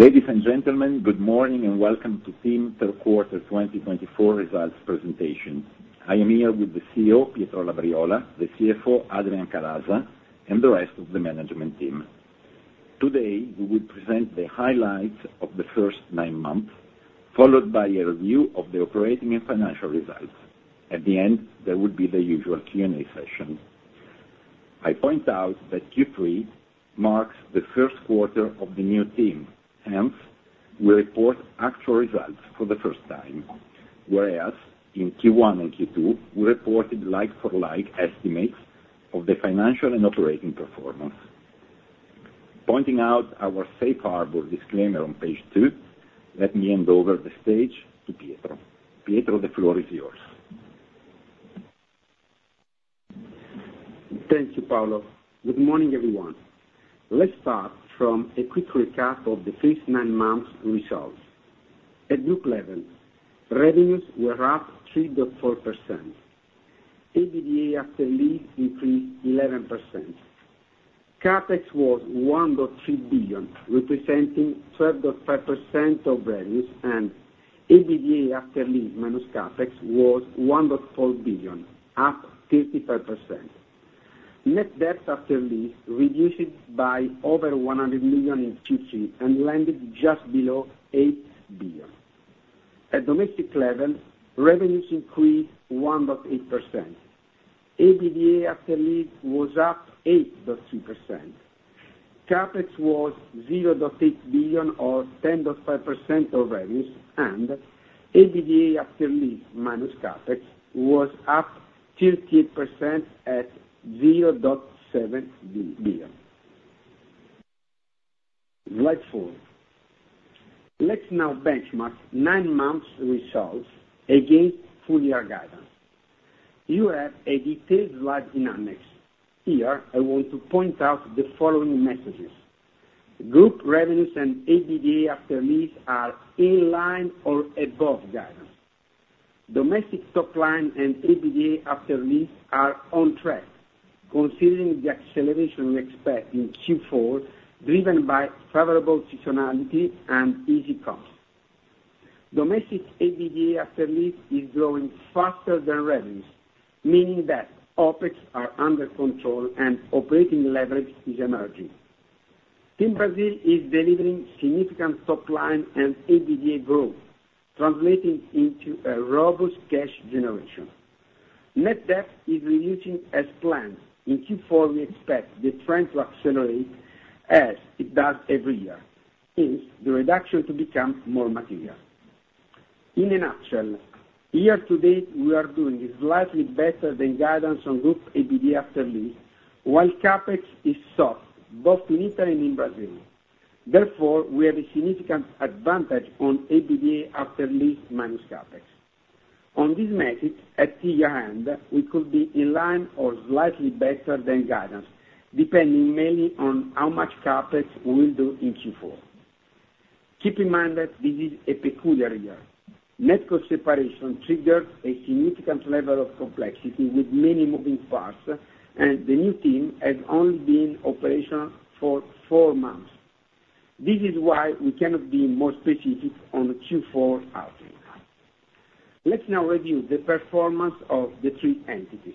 Ladies and gentlemen, good morning and welcome to TIM Q3 2024 results presentation. I am here with the CEO, Pietro Labriola, the CFO, Adrian Calaza, and the rest of the management team. Today, we will present the highlights of the first nine months, followed by a review of the operating and financial results. At the end, there will be the usual Q&A session. I point out that Q3 marks the first quarter of the new TIM; hence, we report actual results for the first time, whereas in Q1 and Q2, we reported like-for-like estimates of the financial and operating performance. Pointing out our safe harbor disclaimer on page two, let me hand over the stage to Pietro. Pietro, the floor is yours. Thank you, Paolo. Good morning, everyone. Let's start from a quick recap of the first nine months' results. At Group level, revenues were up 3.4%. EBITDA after leases increased 11%. CapEx was 1.3 billion, representing 12.5% of revenues, and EBITDA after leases minus CapEx was 1.4 billion, up 35%. Net debt after leases reduced by over 100 million in Q3 and landed just below 8 billion. At domestic level, revenues increased 1.8%. EBITDA after leases was up 8.3%. CapEx was 0.8 billion, or 10.5% of revenues, and EBITDA after leases minus CapEx was up 38% at EUR 0.7 billion. Slide four. Let's now benchmark nine months' results against full-year guidance. You have a detailed slide in Annex. Here, I want to point out the following messages: Group revenues and EBITDA after leases are in line or above guidance. Domestic top line and EBITDA After Lease are on track, considering the acceleration we expect in Q4, driven by favorable seasonality and easy costs. Domestic EBITDA After Lease is growing faster than revenues, meaning that OpEx are under control and operating leverage is emerging. TIM Brasil is delivering significant top line and EBITDA growth, translating into a robust cash generation. Net debt is reducing as planned. In Q4, we expect the trend to accelerate as it does every year, hence the reduction to become more material. In a nutshell, year-to-date, we are doing slightly better than guidance on group EBITDA After Lease, while CapEx is soft both in Italy and in Brazil. Therefore, we have a significant advantage EBITDA After Lease minus CapEx. On this metric, at year-end, we could be in line or slightly better than guidance, depending mainly on how much CapEx we will do in Q4. Keep in mind that this is a peculiar year. NetCo separation triggered a significant level of complexity with many moving parts, and the new TIM has only been operational for four months. This is why we cannot be more specific on Q4 outlook. Let's now review the performance of the three entities.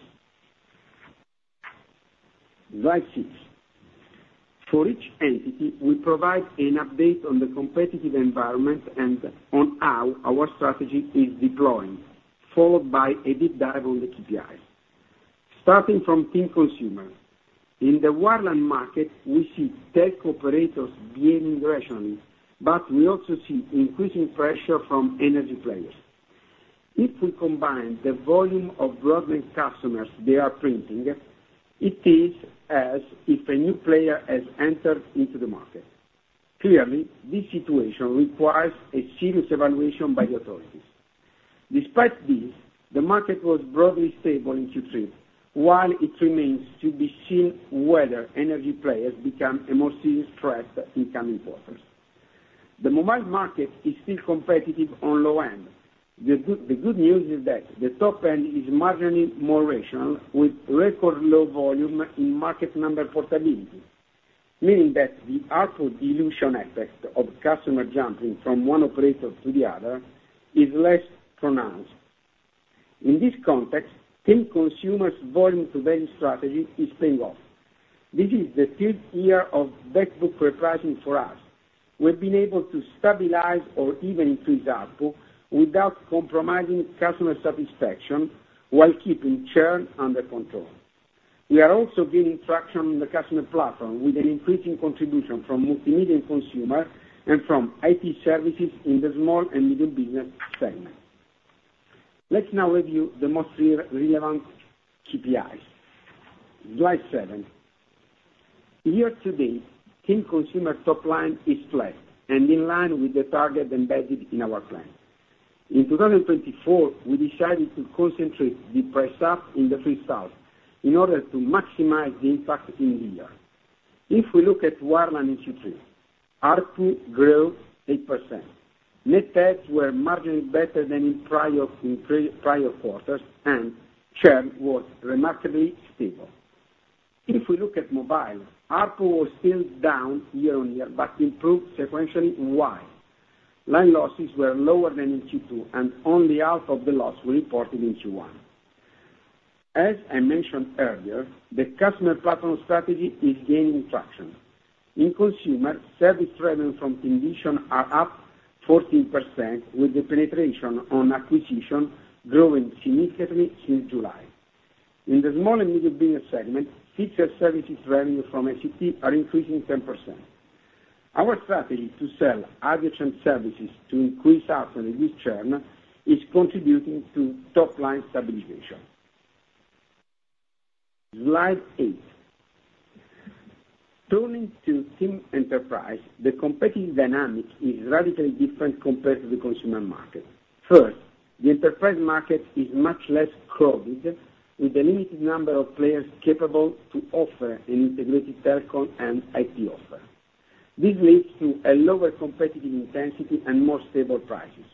Slide six. For each entity, we provide an update on the competitive environment and on how our strategy is deploying, followed by a deep dive on the KPIs. Starting from TIM Consumer, in the wireless market, we see telco operators being aggressively, but we also see increasing pressure from energy players. If we combine the volume of broadband customers they are printing, it is as if a new player has entered into the market. Clearly, this situation requires a serious evaluation by the authorities. Despite this, the market was broadly stable in Q3, while it remains to be seen whether energy players become a more serious threat in coming quarters. The mobile market is still competitive on low end. The good news is that the top end is marginally more rational, with record low volume in market number portability, meaning that the ARPU dilution effect of customer jumping from one operator to the other is less pronounced. In this context, TIM Consumer's volume-to-value strategy is paying off. This is the third year of backbook repricing for us. We've been able to stabilize or even increase ARPU without compromising customer satisfaction while keeping churn under control. We are also gaining traction on the customer platform with an increasing contribution from multimedia consumers and from IT services in the small and medium business segment. Let's now review the most relevant KPIs. Slide seven. Year-to-date, TIM Consumer top line is flat and in line with the target embedded in our plan. In 2024, we decided to concentrate the price up in the first half in order to maximize the impact in the year. If we look at wireless in Q3, ARPU grew 8%. Net adds were marginally better than in prior quarters, and churn was remarkably stable. If we look at mobile, ARPU was still down year-on-year but improved sequentially in Q3. Line losses were lower than in Q2, and only half of the loss was reported in Q1. As I mentioned earlier, the customer platform strategy is gaining traction. In consumer, service revenue from add-ons is up 14%, with the penetration at acquisition growing significantly since July. In the small and medium business segment, fixed services revenue from ICT is increasing 10%. Our strategy to sell adjacent services to increase ARPU and reduce churn is contributing to top line stabilization. Slide eight. Turning to TIM Enterprise, the competitive dynamic is radically different compared to the consumer market. First, the enterprise market is much less crowded, with a limited number of players capable to offer an integrated telecom and IT offer. This leads to a lower competitive intensity and more stable prices.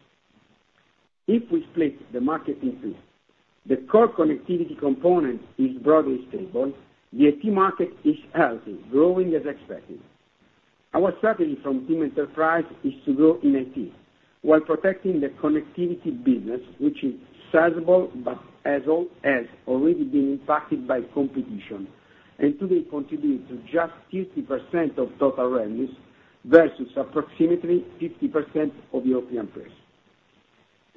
If we split the market in two, the core connectivity component is broadly stable. The IT market is healthy, growing as expected. Our strategy from TIM Enterprise is to grow in IT while protecting the connectivity business, which is sizable but has already been impacted by competition and today contributes to just 50% of total revenues versus approximately 50% of European peers.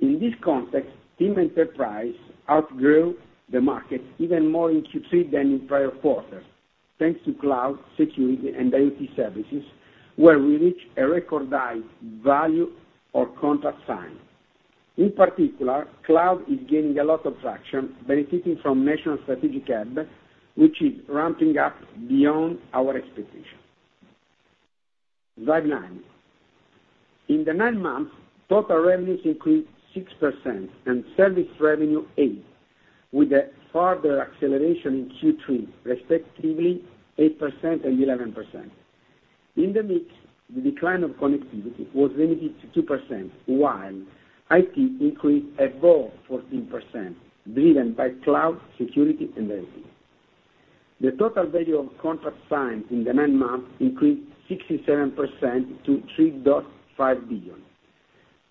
In this context, TIM Enterprise outgrew the market even more in Q3 than in prior quarters, thanks to cloud, security, and IoT services, where we reached a record high value of contract sign. In particular, cloud is gaining a lot of traction, benefiting from National Strategic Hub, which is ramping up beyond our expectation. Slide nine. In the nine months, total revenues increased 6% and service revenue 8%, with a further acceleration in Q3, respectively 8% and 11%. In the mix, the decline of connectivity was limited to 2%, while IT increased above 14%, driven by cloud, security, and IT. The total value of contract signed in the nine months increased 67% to 3.5 billion.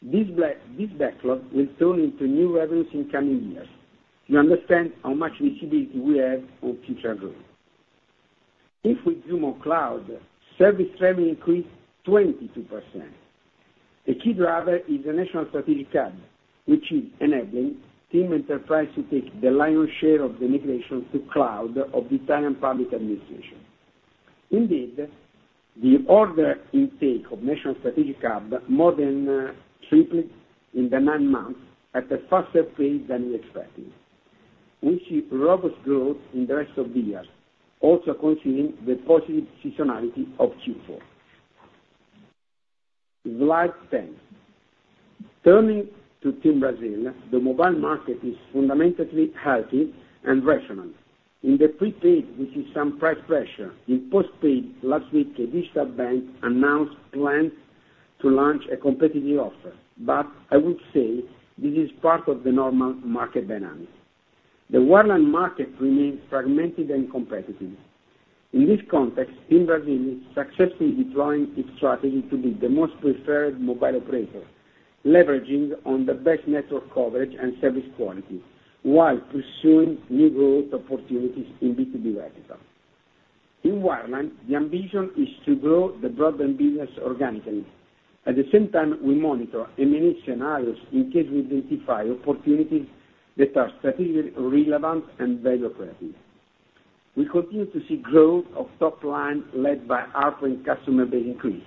This backlog will turn into new revenues in coming years. You understand how much visibility we have on future growth. If we zoom on cloud, service revenue increased 22%. A key driver is the National Strategic Hub, which is enabling TIM Enterprise to take the lion's share of the migration to cloud of the Italian public administration. Indeed, the order intake of National Strategic Hub more than tripled in the nine months at a faster pace than we expected, with robust growth in the rest of the year, also considering the positive seasonality of Q4. Slide 10. Turning to TIM Brasil, the mobile market is fundamentally healthy and rational. In the prepaid, we see some price pressure. In postpaid, last week, Nubank announced plans to launch a competitive offer, but I would say this is part of the normal market dynamic. The wireless market remains fragmented and competitive. In this context, TIM Brasil is successfully deploying its strategy to be the most preferred mobile operator, leveraging on the best network coverage and service quality while pursuing new growth opportunities in B2B vertical. In wireless, the ambition is to grow the broadband business organically. At the same time, we monitor and manage scenarios in case we identify opportunities that are strategically relevant and value-creative. We continue to see growth of top line led by outgoing customer base increase,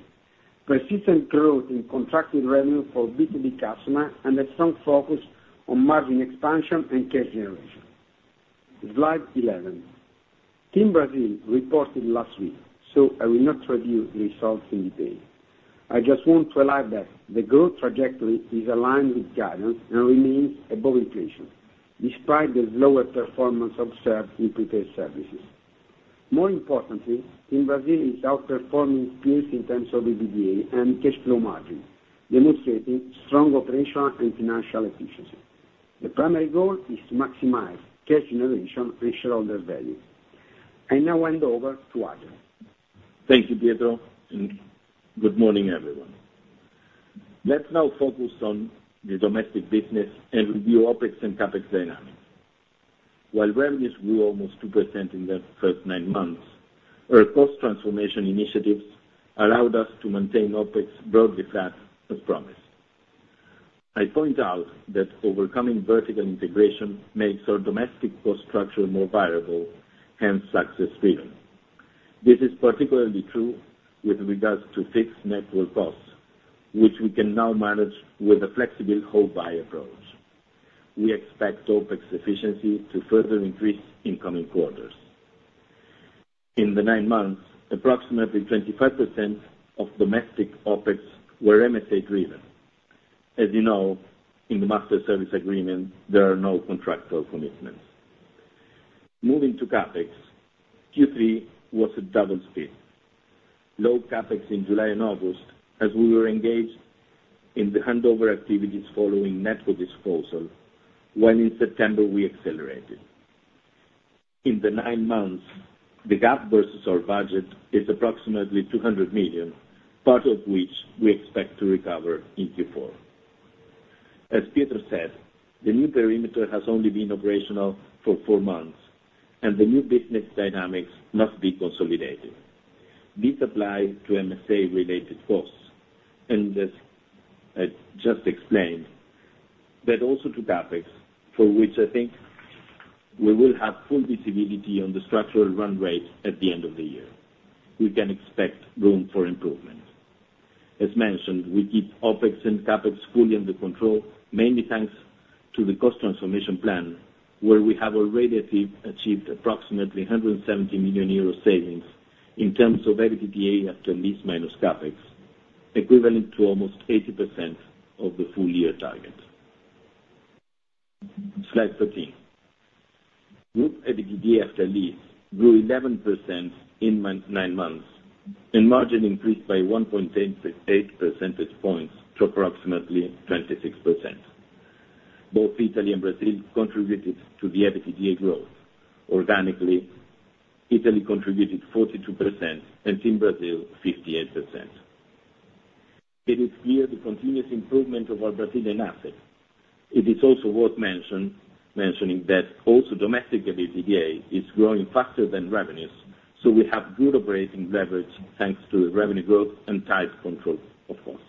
persistent growth in contracted revenue for B2B customers, and a strong focus on margin expansion and cash generation. Slide 11. TIM Brasil reported last week, so I will not review the results in detail. I just want to highlight that the growth trajectory is aligned with guidance and remains above inflation, despite the slower performance observed in prepaid services. More importantly, TIM Brasil is outperforming peers in terms of EBITDA and cash flow margin, demonstrating strong operational and financial efficiency. The primary goal is to maximize cash generation and shareholder value. I now hand over to Adrian. Thank you, Pietro, and good morning, everyone. Let's now focus on the domestic business and review OpEx and CapEx dynamics. While revenues grew almost 2% in the first nine months, our cost transformation initiatives allowed us to maintain OpEx broadly flat as promised. I point out that overcoming vertical integration makes our domestic cost structure more viable, hence access freedom. This is particularly true with regards to fixed network costs, which we can now manage with a flexible wholesale buy approach. We expect OpEx efficiency to further increase in coming quarters. In the nine months, approximately 25% of domestic OpEx were MSA-driven. As you know, in the master service agreement, there are no contractual commitments. Moving to CapEx, Q3 was a double split. Low CapEx in July and August as we were engaged in the handover activities following network disposal, while in September, we accelerated. In the nine months, the gap versus our budget is approximately 200 million, part of which we expect to recover in Q4. As Pietro said, the new perimeter has only been operational for four months, and the new business dynamics must be consolidated. This applies to MSA-related costs, and as I just explained, but also to CapEx, for which I think we will have full visibility on the structural run rate at the end of the year. We can expect room for improvement. As mentioned, we keep OpEx and CapEx fully under control, mainly thanks to the cost transformation plan, where we have already achieved approximately 170 million euro savings in terms of EBITDA after lease minus CapEx, equivalent to almost 80% of the full-year target. Slide 13. Group EBITDA after lease grew 11% in nine months, and margin increased by 1.8 percentage points to approximately 26%. Both Italy and Brazil contributed to the EBITDA growth. Organically, Italy contributed 42% and TIM Brasil 58%. It is clear the continuous improvement of our Brazilian asset. It is also worth mentioning that also domestic EBITDA is growing faster than revenues, so we have good operating leverage thanks to the revenue growth and tight control of costs.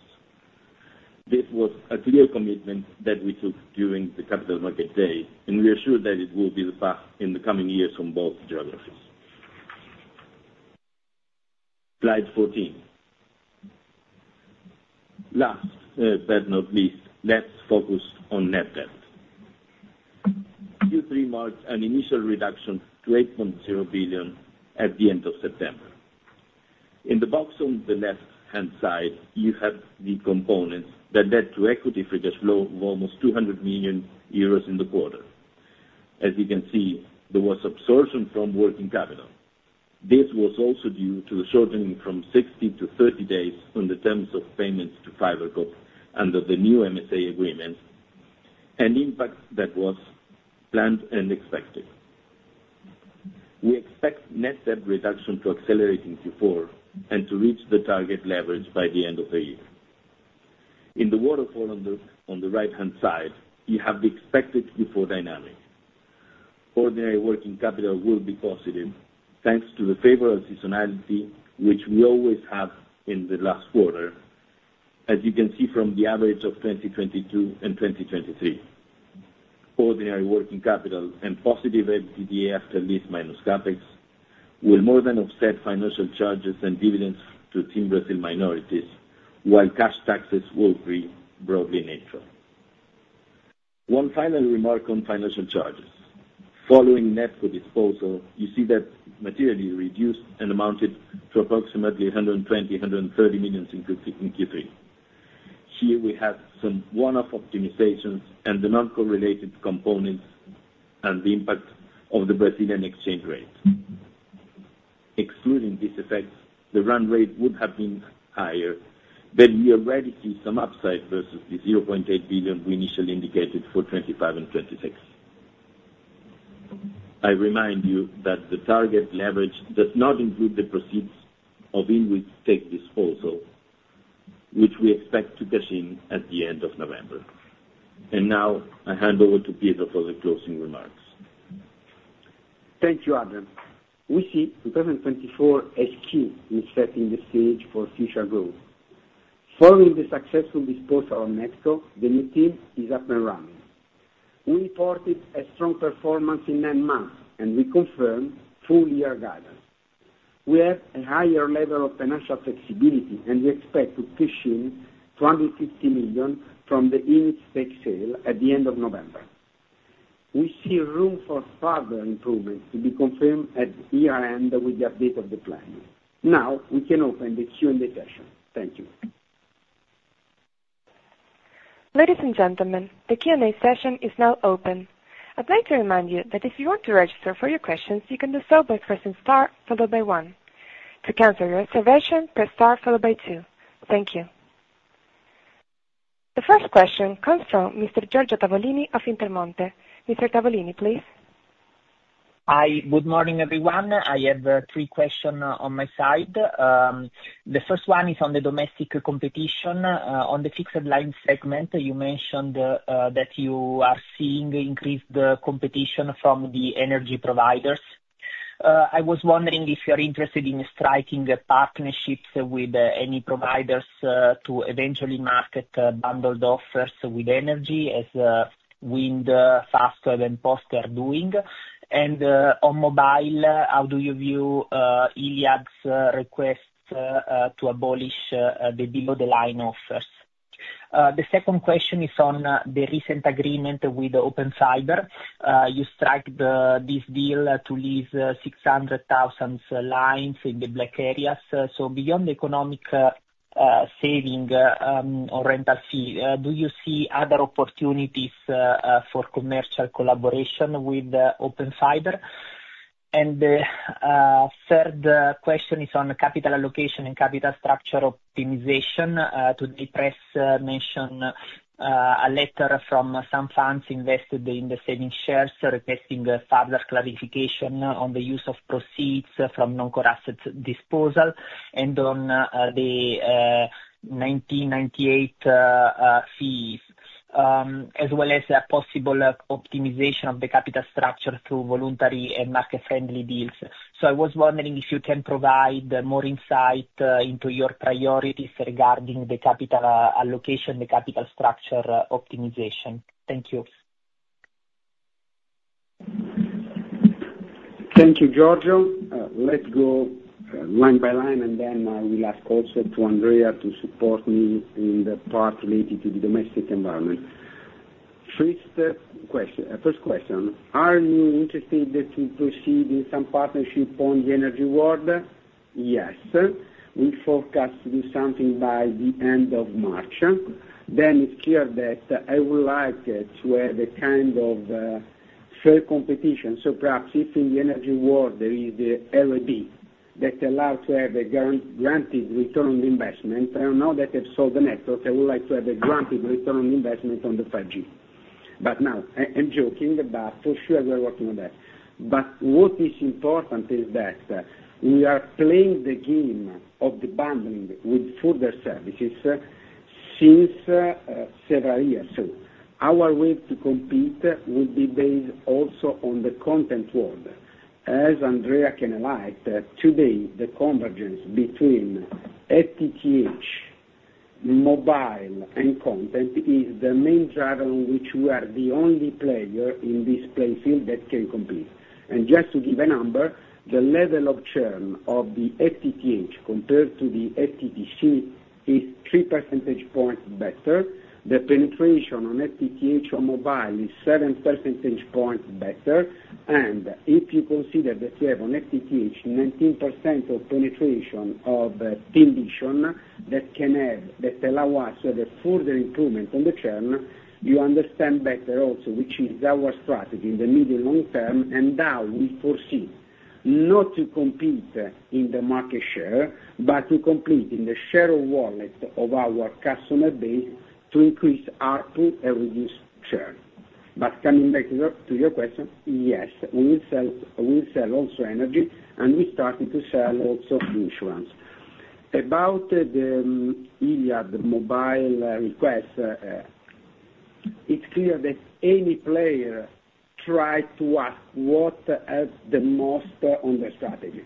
This was a clear commitment that we took during the capital market day, and we are sure that it will be the path in the coming years on both geographies. Slide 14. Last but not least, let's focus on net debt. Q3 marked an initial reduction to 8.0 billion at the end of September. In the box on the left-hand side, you have the components that led to equity free cash flow of almost 200 million euros in the quarter. As you can see, there was absorption from working capital. This was also due to the shortening from 60-30 days on the terms of payments to FiberCop under the new MSA agreement, an impact that was planned and expected. We expect net debt reduction to accelerate in Q4 and to reach the target leverage by the end of the year. In the waterfall on the right-hand side, you have the expected Q4 dynamic. Ordinary working capital will be positive thanks to the favorable seasonality, which we always have in the last quarter, as you can see from the average of 2022 and 2023. Ordinary working capital and positive EBITDA after lease minus CapEx will more than offset financial charges and dividends to Team Brazil minorities, while cash taxes will be broadly neutral. One final remark on financial charges. Following network disposal, you see that material is reduced and amounted to approximately 120 million-130 million in Q3. Here, we have some one-off optimizations and the non-correlated components and the impact of the Brazilian exchange rate. Excluding these effects, the run rate would have been higher, but we already see some upside versus the 0.8 billion we initially indicated for 2025 and 2026. I remind you that the target leverage does not include the proceeds of INWIT stake disposal, which we expect to cash in at the end of November. And now, I hand over to Pietro for the closing remarks. Thank you, Adrian. We see 2024 H2 is setting the stage for future growth. Following the successful disposal of NetCo, the new TIM is up and running. We reported a strong performance in nine months, and we confirmed full-year guidance. We have a higher level of financial flexibility, and we expect to cash in 250 million from the INWIT stake sale at the end of November. We see room for further improvement to be confirmed at year-end with the update of the plan. Now, we can open the Q&A session. Thank you. Ladies and gentlemen, the Q&A session is now open. I'd like to remind you that if you want to register for your questions, you can do so by pressing star followed by one. To cancel your reservation, press star followed by two. Thank you. The first question comes from Mr. Giorgio Tavolini of Intermonte. Mr. Tavolini, please. Hi, good morning, everyone. I have three questions on my side. The first one is on the domestic competition. On the fixed line segment, you mentioned that you are seeing increased competition from the energy providers. I was wondering if you are interested in striking partnerships with any providers to eventually market bundled offers with energy, as Wind, Fastweb, and Poste are doing, and on mobile, how do you view Iliad's request to abolish the below-the-line offers? The second question is on the recent agreement with Open Fiber. You struck this deal to lease 600,000 lines in the black areas, so beyond the economic saving or rental fee, do you see other opportunities for commercial collaboration with Open Fiber, and the third question is on capital allocation and capital structure optimization. Today, press mentioned a letter from some funds invested in the savings shares requesting further clarification on the use of proceeds from non-core asset disposal and on the 1998 fees, as well as a possible optimization of the capital structure through voluntary and market-friendly deals. So I was wondering if you can provide more insight into your priorities regarding the capital allocation, the capital structure optimization? Thank you. Thank you, Giorgio. Let's go line by line, and then I will ask also to Andrea to support me in the part related to the domestic environment. First question, are you interested to proceed with some partnership on the energy world? Yes. We forecast to do something by the end of March. Then it's clear that I would like to have a kind of fair competition. So perhaps if in the energy world there is the LED that allows to have a guaranteed return on investment, I know that I've sold the network. I would like to have a guaranteed return on investment on the 5G. But now, I'm joking, but for sure, we're working on that. But what is important is that we are playing the game of the bundling with further services since several years ago. Our way to compete would be based also on the content world. As Andrea can highlight, today, the convergence between FTTH, mobile, and content is the main driver on which we are the only player in this playing field that can compete, and just to give a number, the level of churn of the FTTH compared to the FTTC is three percentage points better. The penetration on FTTH on mobile is seven percentage points better, and if you consider that we have on FTTH 19% of penetration of the condition that can have that allow us further improvement on the churn, you understand better also which is our strategy in the medium and long term, and now we foresee not to compete in the market share, but to compete in the share of wallet of our customer base to increase ARPU and reduce churn. But coming back to your question, yes, we will sell also energy, and we started to sell also insurance. About the Iliad mobile request, it's clear that any player tries to ask what helps the most on the strategy.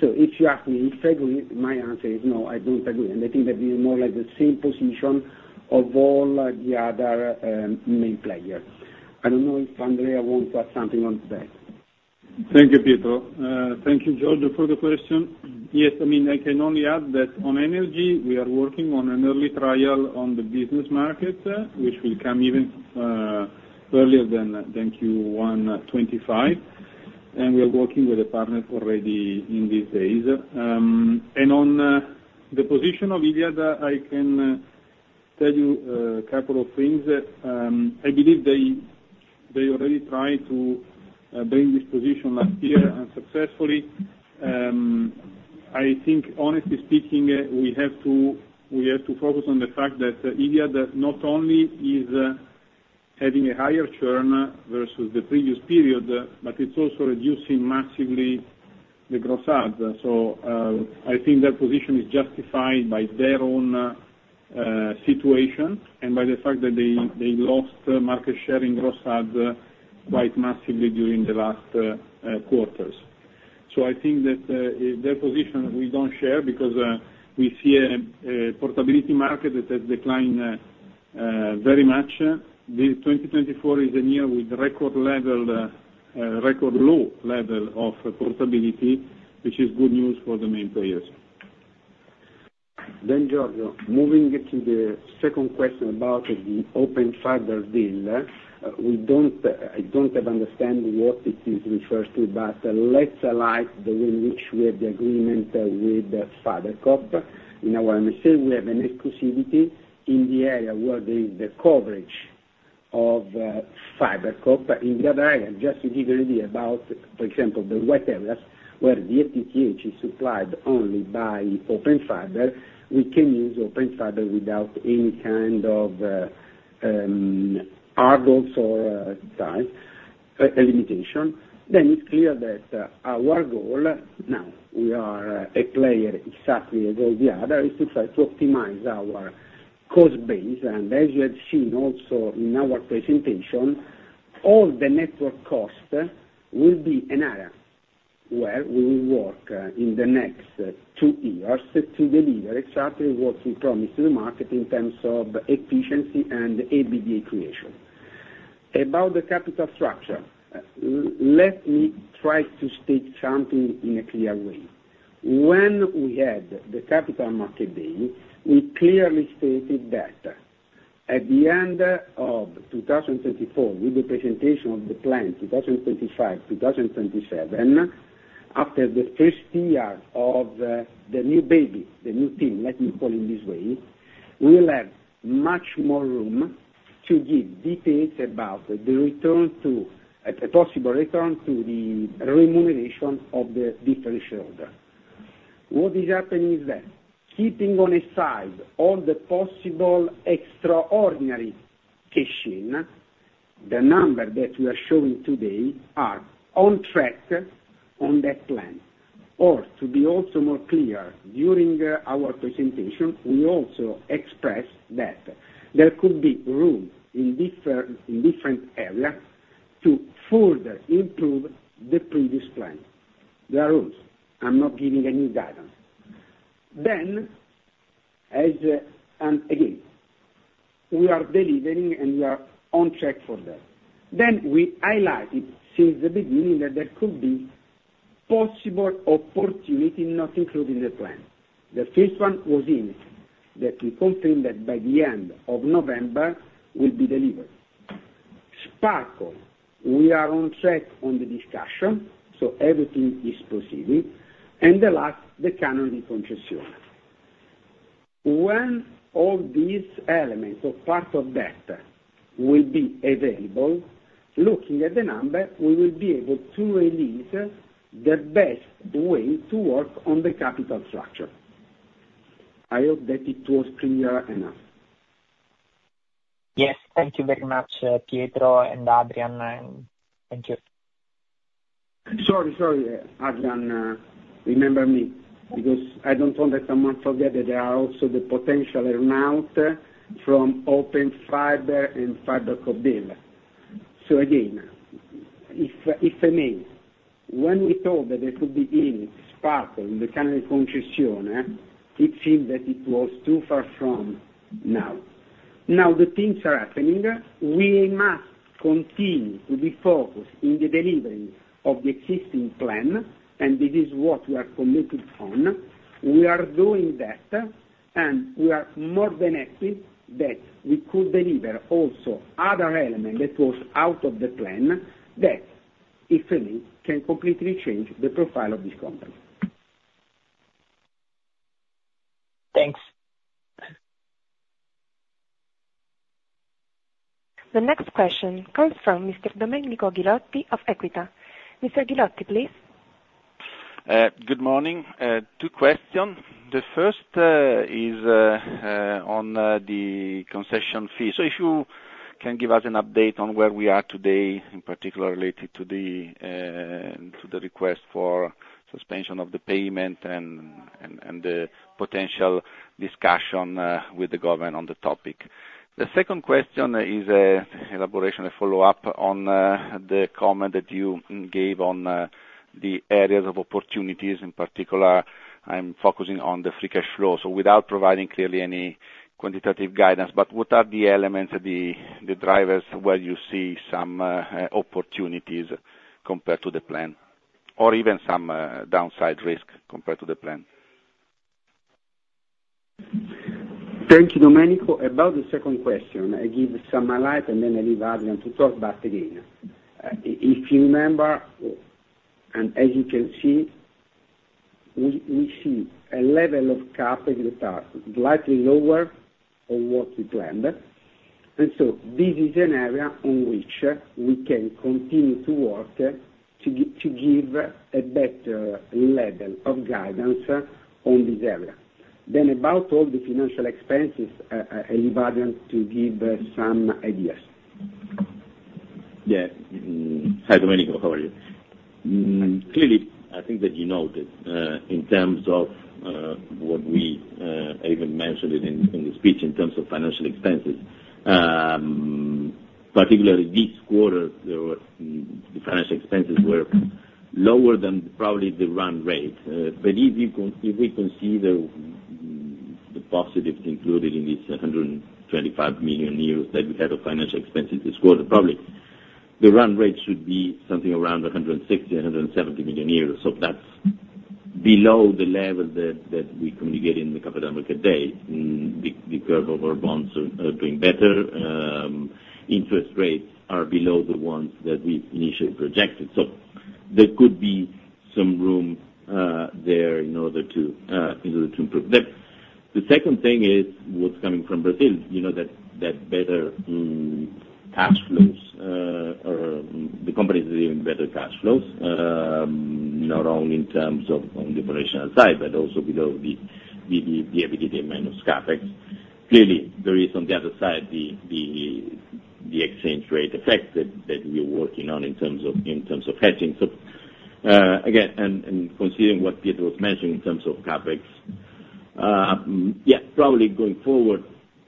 So if you ask me if I agree, my answer is no, I don't agree. And I think that we are more like the same position of all the other main players. I don't know if Andrea wants to add something on that. Thank you, Pietro. Thank you, Giorgio, for the question. Yes, I mean, I can only add that on energy, we are working on an early trial on the business market, which will come even earlier than Q1 2025. We are working with a partner already in these days. On the position of Iliad, I can tell you a couple of things. I believe they already tried to bring this position last year unsuccessfully. I think, honestly speaking, we have to focus on the fact that Iliad not only is having a higher churn versus the previous period, but it is also reducing massively the gross adds. Their position is justified by their own situation and by the fact that they lost market share in gross adds quite massively during the last quarters. I think that their position, we don't share because we see a portability market that has declined very much. 2024 is a year with record level, record low level of portability, which is good news for the main players. Then, Giorgio, moving to the second question about the Open Fiber deal, I don't understand what it is referred to, but let's highlight the way in which we have the agreement with FiberCop in our MSA. We have an exclusivity in the area where there is the coverage of FiberCop in the other area. Just to give you an idea about, for example, the white areas where the FTTH is supplied only by Open Fiber, we can use Open Fiber without any kind of hurdles or limitations. Then it's clear that our goal now, we are a player exactly as all the others, is to try to optimize our cost base. And as you have seen also in our presentation, all the network costs will be an area where we will work in the next two years to deliver exactly what we promised to the market in terms of efficiency and EBITDA creation. About the capital structure, let me try to state something in a clear way. When we had the capital market deal, we clearly stated that at the end of 2024, with the presentation of the plan 2025, 2027, after the first year of the new baby, the new team, let me call it this way, we will have much more room to give details about the return to, a possible return to the remuneration of the differential order. What is happening is that keeping on a side all the possible extraordinary cash in, the number that we are showing today are on track on that plan. Or to be also more clear, during our presentation, we also expressed that there could be room in different areas to further improve the previous plan. There are rooms. I'm not giving any guidance. Then, as again, we are delivering and we are on track for that. Then we highlighted since the beginning that there could be possible opportunity not including the plan. The first one was in that we confirmed that by the end of November, we'll be delivered. Sparkle, we are on track on the discussion, so everything is proceeding. And the last, the Canone Yes, thank you very much, Pietro and Adrian. Thank you. Sorry, sorry, Adrian. Remember me, because I don't want someone to forget that there are also the potential amount from Open Fiber and FiberCop deal. So again, if I may, when we told that there could be in Sparkle in the Canone concession, it seemed that it was too far from now. Now, the things are happening. We must continue to be focused in the delivery of the existing plan, and this is what we are committed on. We are doing that, and we are more than happy that we could deliver also other elements that were out of the plan that, if any, can completely change the profile of this company. Thanks. The next question comes from Mr. Domenico Ghilotti of Equita. Mr. Ghilotti, please. Good morning. Two questions. The first is on the concession fee. So if you can give us an update on where we are today, in particular related to the request for suspension of the payment and the potential discussion with the government on the topic. The second question is an elaboration, a follow-up on the comment that you gave on the areas of opportunities. In particular, I'm focusing on the free cash flow. So without providing clearly any quantitative guidance, but what are the elements, the drivers where you see some opportunities compared to the plan, or even some downside risk compared to the plan? Thank you, Domenico. About the second question, I give some light and then I leave Adrian to talk about again. If you remember, and as you can see, we see a level of CapEx that is slightly lower than what we planned, and so this is an area on which we can continue to work to give a better level of guidance on this area. Then about all the financial expenses, I leave Adrian to give some ideas. Yeah. Hi, Domenico. How are you? Clearly, I think that you noted in terms of what we even mentioned in the speech in terms of financial expenses, particularly this quarter, the financial expenses were lower than probably the run rate. But if we consider the positives included in this 125 million euros that we had of financial expenses this quarter, probably the run rate should be something around 160 million-170 million euros. So that's below the level that we communicated in the capital market day. The curve of our bonds are doing better. Interest rates are below the ones that we initially projected. So there could be some room there in order to improve. The second thing is what's coming from Brazil, that better cash flows or the companies are giving better cash flows, not only in terms of on the operational side, but also below the EBITDA minus CapEx. Clearly, there is on the other side the exchange rate effect that we are working on in terms of hedging. So again, and considering what Pietro was mentioning in terms of CapEx, yeah, probably going forward,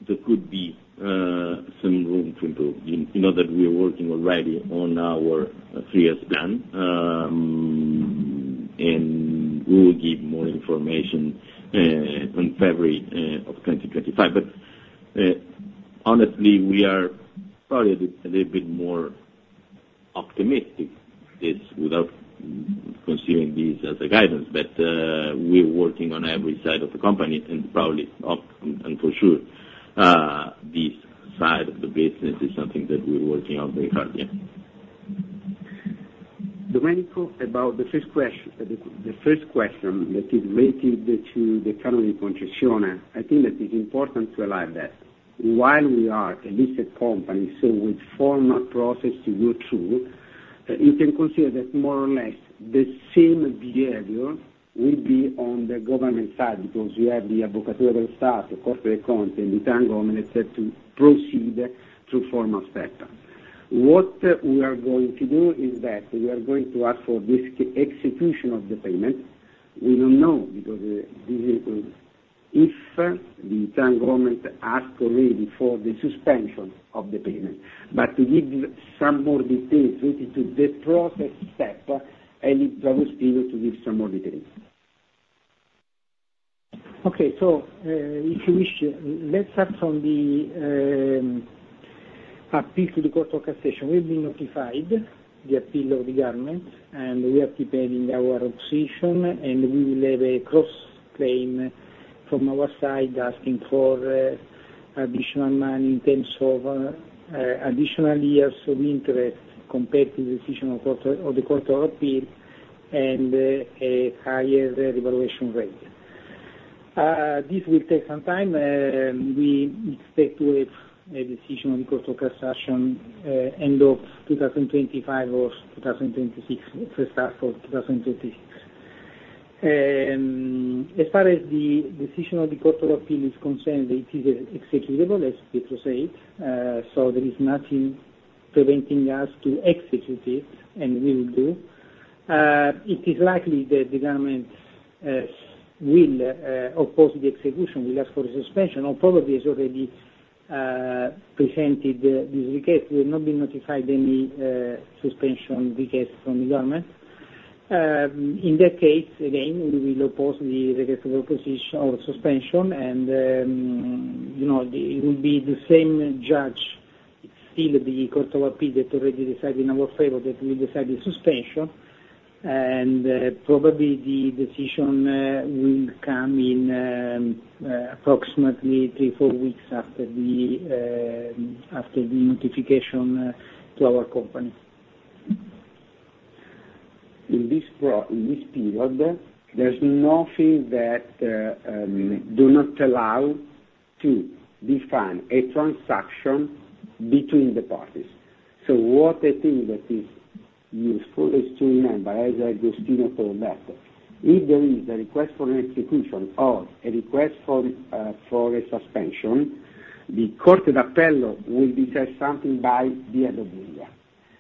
there could be some room to improve. We know that we are working already on our three-year plan, and we will give more information in February of 2025. But honestly, we are probably a little bit more optimistic without considering this as a guidance, but we are working on every side of the company and probably, and for sure, this side of the business is something that we're working on very hard. Yeah. Domenico, about the first question that is related to the Canone concession, I think that it's important to highlight that while we are a listed company, so with formal process to go through, you can consider that more or less the same behavior will be on the government side because you have the Avvocatura dello Stato, Corte dei conti, and the Italian government is set to proceed through formal steps. What we are going to do is that we are going to ask for this execution of the payment. We don't know because if the Italian government asked already for the suspension of the payment. But to give some more details related to the process step, I leave Agostino to give some more details. Okay. So if you wish, let's start from the appeal to the Court of Cassation. We've been notified, the appeal of the government, and we are preparing our opposition, and we will have a cross-claim from our side asking for additional money in terms of additional years of interest compared to the decision of the court of appeal and a higher revaluation rate. This will take some time. We expect to have a decision on the Court of Cassation end of 2025 or 2026, first half of 2026. As far as the decision of the court of appeal is concerned, it is executable, as Pietro said. So there is nothing preventing us to execute it, and we will do. It is likely that the government will oppose the execution, will ask for a suspension, or probably has already presented this request. We have not been notified of any suspension request from the government. In that case, again, we will oppose the request of opposition or suspension, and it will be the same judge, still the court of appeal that already decided in our favor that we decided suspension. And probably the decision will come in approximately three, four weeks after the notification to our company. In this period, there's nothing that does not allow to define a transaction between the parties. So what I think that is useful is to remember, as Agostino told that, if there is a request for an execution or a request for a suspension, the Court of Appeal will decide something by way of the media.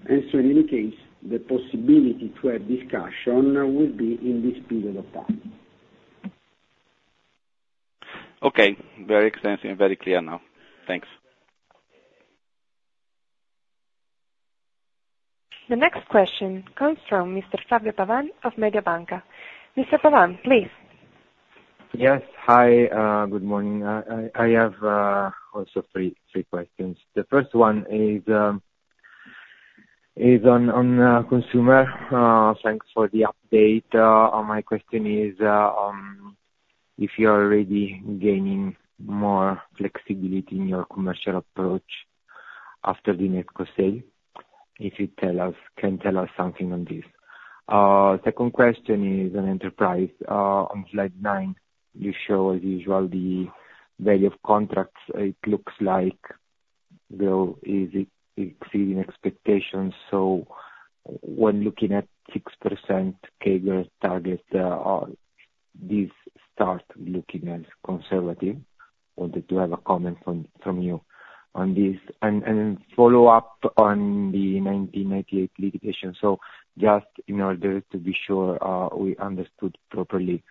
And so in any case, the possibility to have discussion will be in this period of time. Okay. Very extensive and very clear now. Thanks. The next question comes from Mr. Fabio Pavan of Mediobanca. Mr. Pavan, please. Yes. Hi. Good morning. I have also three questions. The first one is on consumer. Thanks for the update. My question is if you're already gaining more flexibility in your commercial approach after the NetCo sale, if you can tell us something on this. Second question is on enterprise. On slide nine, you show, as usual, the value of contracts. It looks like they're exceeding expectations. So when looking at 6% CAGR target, these start looking as conservative. Wanted to have a comment from you on this. And then follow-up on the 1998 litigation. So just in order to be sure we understood properly,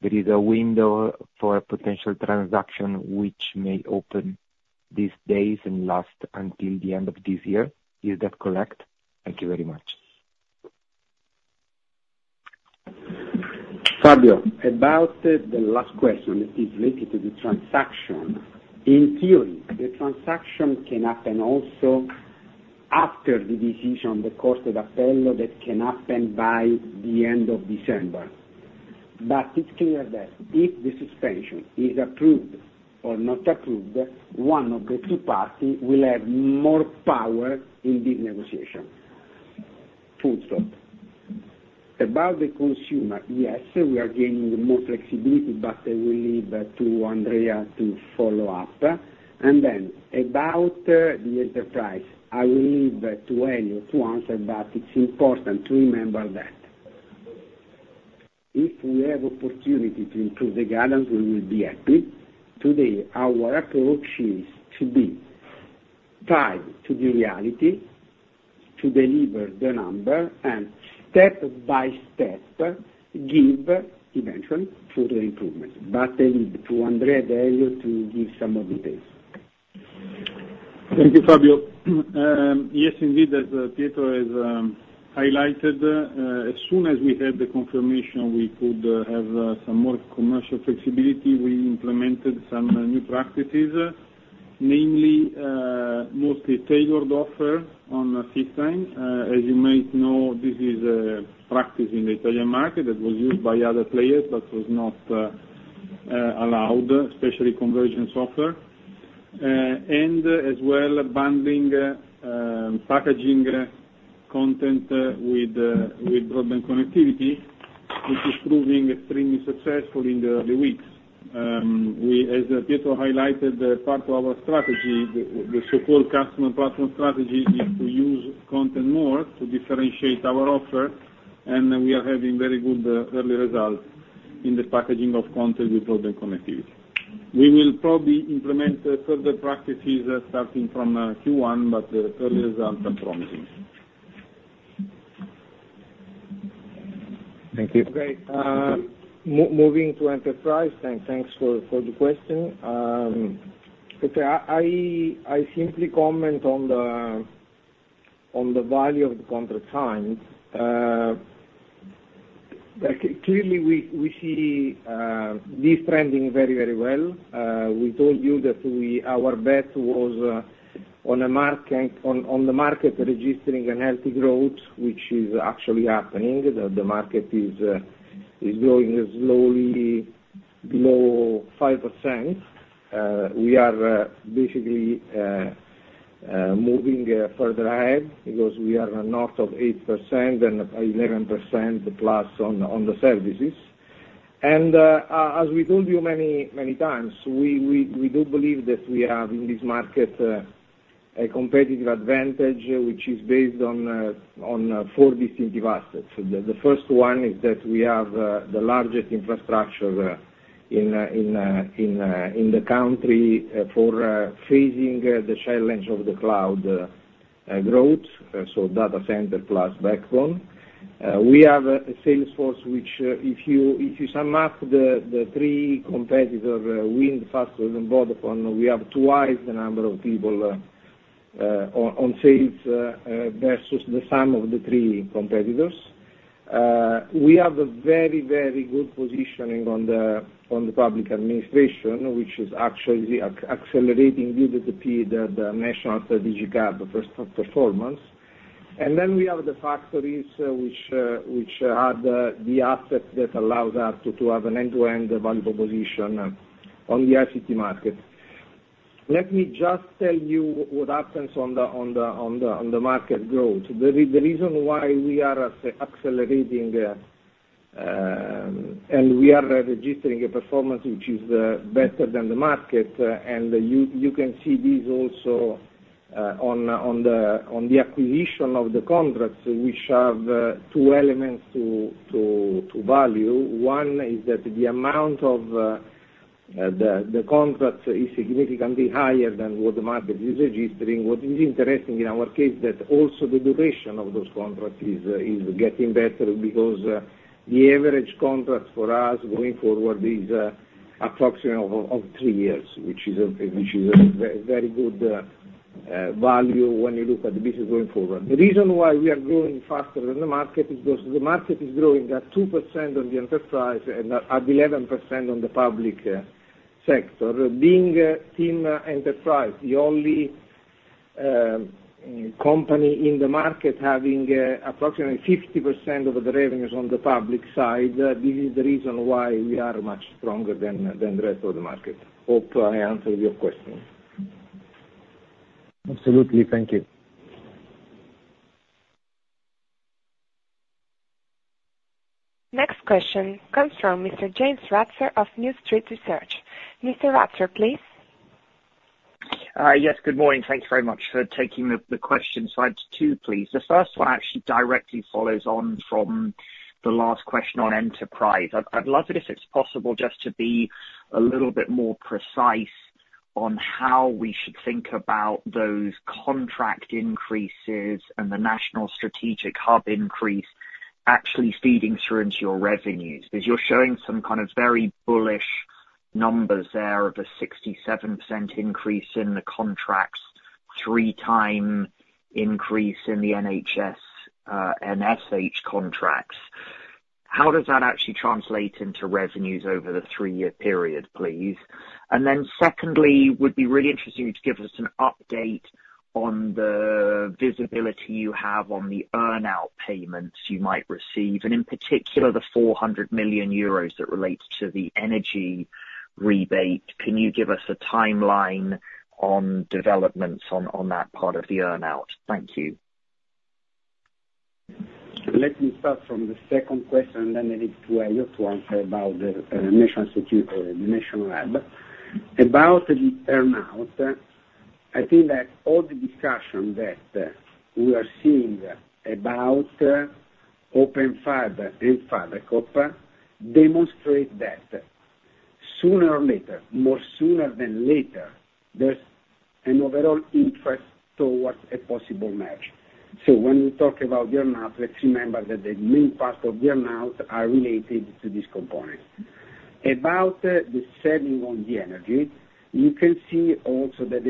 there is a window for a potential transaction which may open these days and last until the end of this year. Is that correct? Thank you very much. Fabio, about the last question that is related to the transaction. In theory, the transaction can happen also after the decision on the Court of Appeal that can happen by the end of December. But it's clear that if the suspension is approved or not approved, one of the two parties will have more power in this negotiation. Full stop. About the consumer, yes, we are gaining more flexibility, but I will leave to Andrea to follow up. And then about the enterprise, I will leave to Elio to answer, but it's important to remember that if we have opportunity to improve the guidance, we will be happy. Today, our approach is to be tied to the reality, to deliver the number, and step by step give eventually further improvements. But I leave to Andrea and Elio to give some more details. Thank you, Fabio. Yes, indeed, as Pietro has highlighted, as soon as we had the confirmation, we could have some more commercial flexibility. We implemented some new practices, namely mostly tailored offer on systems. As you might know, this is a practice in the Italian market that was used by other players but was not allowed, especially convergence offer. And as well, bundling packaging content with broadband connectivity, which is proving extremely successful in the weeks. As Pietro highlighted, part of our strategy, the so-called customer platform strategy, is to use content more to differentiate our offer, and we are having very good early results in the packaging of content with broadband connectivity. We will probably implement further practices starting from Q1, but early results are promising. Thank you. Okay. Moving to enterprise, thanks for the question. I simply comment on the value of the contract time. Clearly, we see this trending very, very well. We told you that our bet was on the market registering a healthy growth, which is actually happening. The market is growing slowly below 5%. We are basically moving further ahead because we are north of 8% and 11% plus on the services. As we told you many times, we do believe that we have in this market a competitive advantage, which is based on four distinctive assets. The first one is that we have the largest infrastructure in the country for facing the challenge of the cloud growth, so data center plus backbone. We have a sales force which, if you sum up the three competitors, Wind, Fastweb, and Vodafone, we have twice the number of people on sales versus the sum of the three competitors. We have a very, very good positioning on the public administration, which is actually accelerating due to the National Strategic Hub. And then we have the factories which had the asset that allows us to have an end-to-end value proposition on the ICT market. Let me just tell you what happens on the market growth. The reason why we are accelerating and we are registering a performance which is better than the market, and you can see this also on the acquisition of the contracts, which have two elements to value. One is that the amount of the contract is significantly higher than what the market is registering. What is interesting in our case is that also the duration of those contracts is getting better because the average contract for us going forward is approximately of three years, which is a very good value when you look at the business going forward. The reason why we are growing faster than the market is because the market is growing at 2% on the enterprise and at 11% on the public sector. Being TIM Enterprise, the only company in the market having approximately 50% of the revenues on the public side, this is the reason why we are much stronger than the rest of the market. Hope I answered your question. Absolutely. Thank you. Next question comes from Mr. James Ratzer of New Street Research. Mr. Ratzar, please. Yes. Good morning. Thank you very much for taking the questions. So I'd like to, please. The first one actually directly follows on from the last question on enterprise. I'd love it if it's possible just to be a little bit more precise on how we should think about those contract increases and the National Strategic Hub increase actually feeding through into your revenues because you're showing some kind of very bullish numbers there of a 67% increase in the contracts, three-time increase in the NSH contracts. How does that actually translate into revenues over the three-year period, please? And then secondly, it would be really interesting to give us an update on the visibility you have on the earnout payments you might receive, and in particular, the 400 million euros that relates to the energy rebate. Can you give us a timeline on developments on that part of the earnout? Thank you. Let me start from the second question, and then I leave to Elio to answer about the National Strategic Lab. About the earnout, I think that all the discussion that we are seeing about Open Fiber and FiberCop demonstrate that sooner or later, sooner rather than later, there's an overall interest towards a possible match. So when we talk about earnout, let's remember that the main part of the earnout is related to this component. About the ceiling on the energy, you can see also that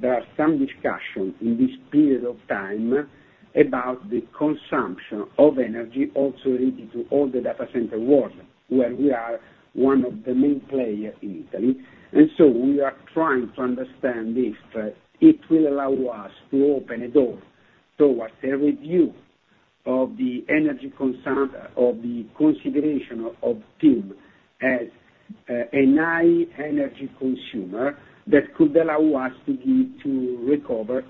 there are some discussions in this period of time about the consumption of energy also related to all the data center world, where we are one of the main players in Italy. And so we are trying to understand if it will allow us to open a door towards a review of the energy consideration of TIM as a high-energy consumer that could allow us to recover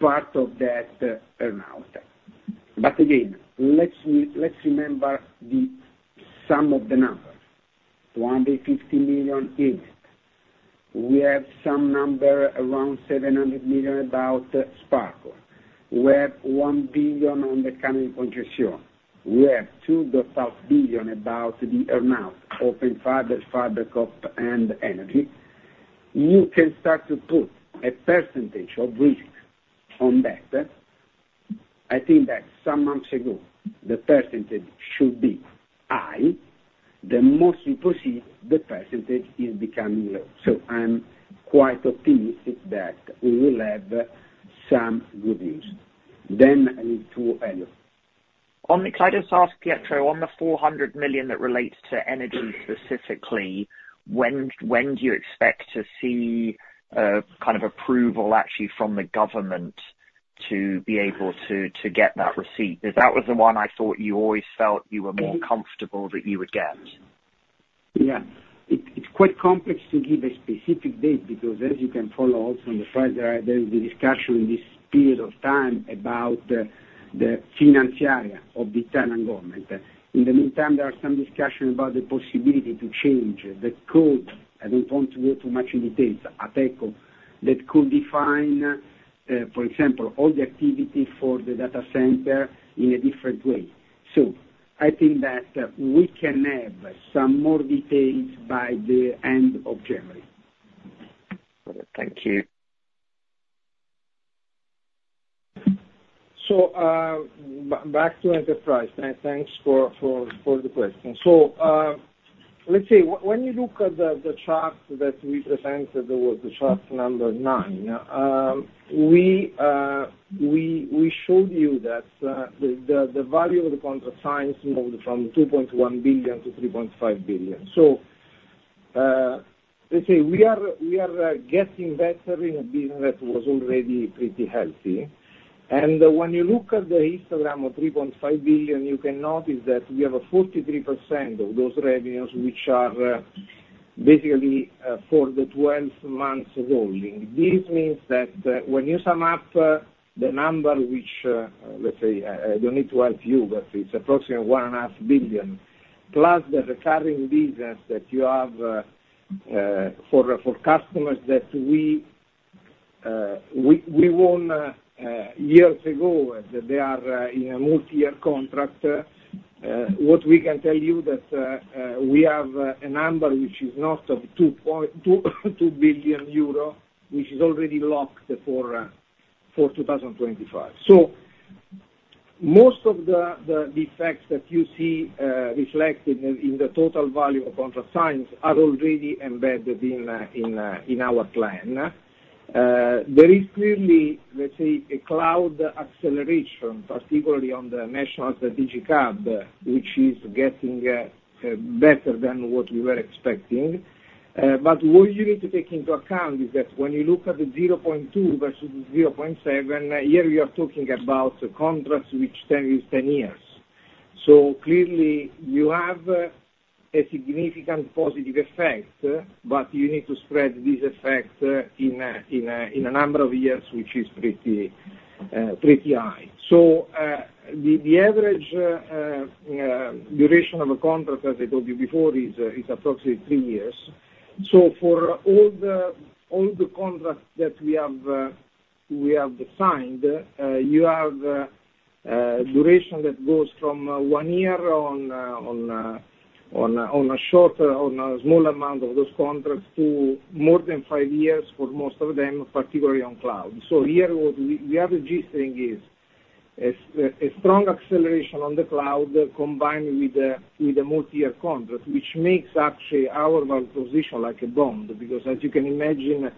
part of that earnout. But again, let's remember the sum of the numbers. 150 million in it. We have some number around 700 million about Sparkle. We have 1 billion on the Canone concession. We have 2.5 billion about the earnout, Open Fiber, FiberCop, and energy. You can start to put a percentage of risk on that. I think that some months ago, the percentage should be high. The more you proceed, the percentage is becoming low. So I'm quite optimistic that we will have some good news. Then I leave it to Elio. I'm excited to ask Pietro, on the 400 million that relates to energy specifically, when do you expect to see kind of approval actually from the government to be able to get that receipt? That was the one I thought you always felt you were more comfortable that you would get. Yeah. It's quite complex to give a specific date because, as you can follow also on the press, there is a discussion in this period of time about the financial arm of the Italian government. In the meantime, there are some discussions about the possibility to change the code. I don't want to go too much into details at ECO that could define, for example, all the activity for the data center in a different way. So I think that we can have some more details by the end of January. Thank you. Back to enterprise. Thanks for the question. Let's say when you look at the chart that we presented, that was the chart number nine, we showed you that the value of the contract signs moved from 2.1 billion-3.5 billion. Let's say we are getting better in a business that was already pretty healthy. When you look at the histogram of 3.5 billion, you can notice that we have a 43% of those revenues which are basically for the 12 months rolling. This means that when you sum up the number, which, let's say, I don't need to help you, but it's approximately 1.5 billion plus the recurring business that you have for customers that we won years ago that they are in a multi-year contract. What we can tell you is that we have a number which is north of 2 billion euro, which is already locked for 2025. So most of the effects that you see reflected in the total value of contract signs are already embedded in our plan. There is clearly, let's say, a cloud acceleration, particularly on the National Strategic Hub, which is getting better than what we were expecting. But what you need to take into account is that when you look at the 0.2 versus the 0.7, here we are talking about contracts which tend to be 10 years. So clearly, you have a significant positive effect, but you need to spread this effect in a number of years, which is pretty high. So the average duration of a contract, as I told you before, is approximately three years. So for all the contracts that we have signed, you have a duration that goes from one year on a small amount of those contracts to more than five years for most of them, particularly on cloud. So here what we are registering is a strong acceleration on the cloud combined with a multi-year contract, which makes actually our value proposition like a bond because, as you can imagine,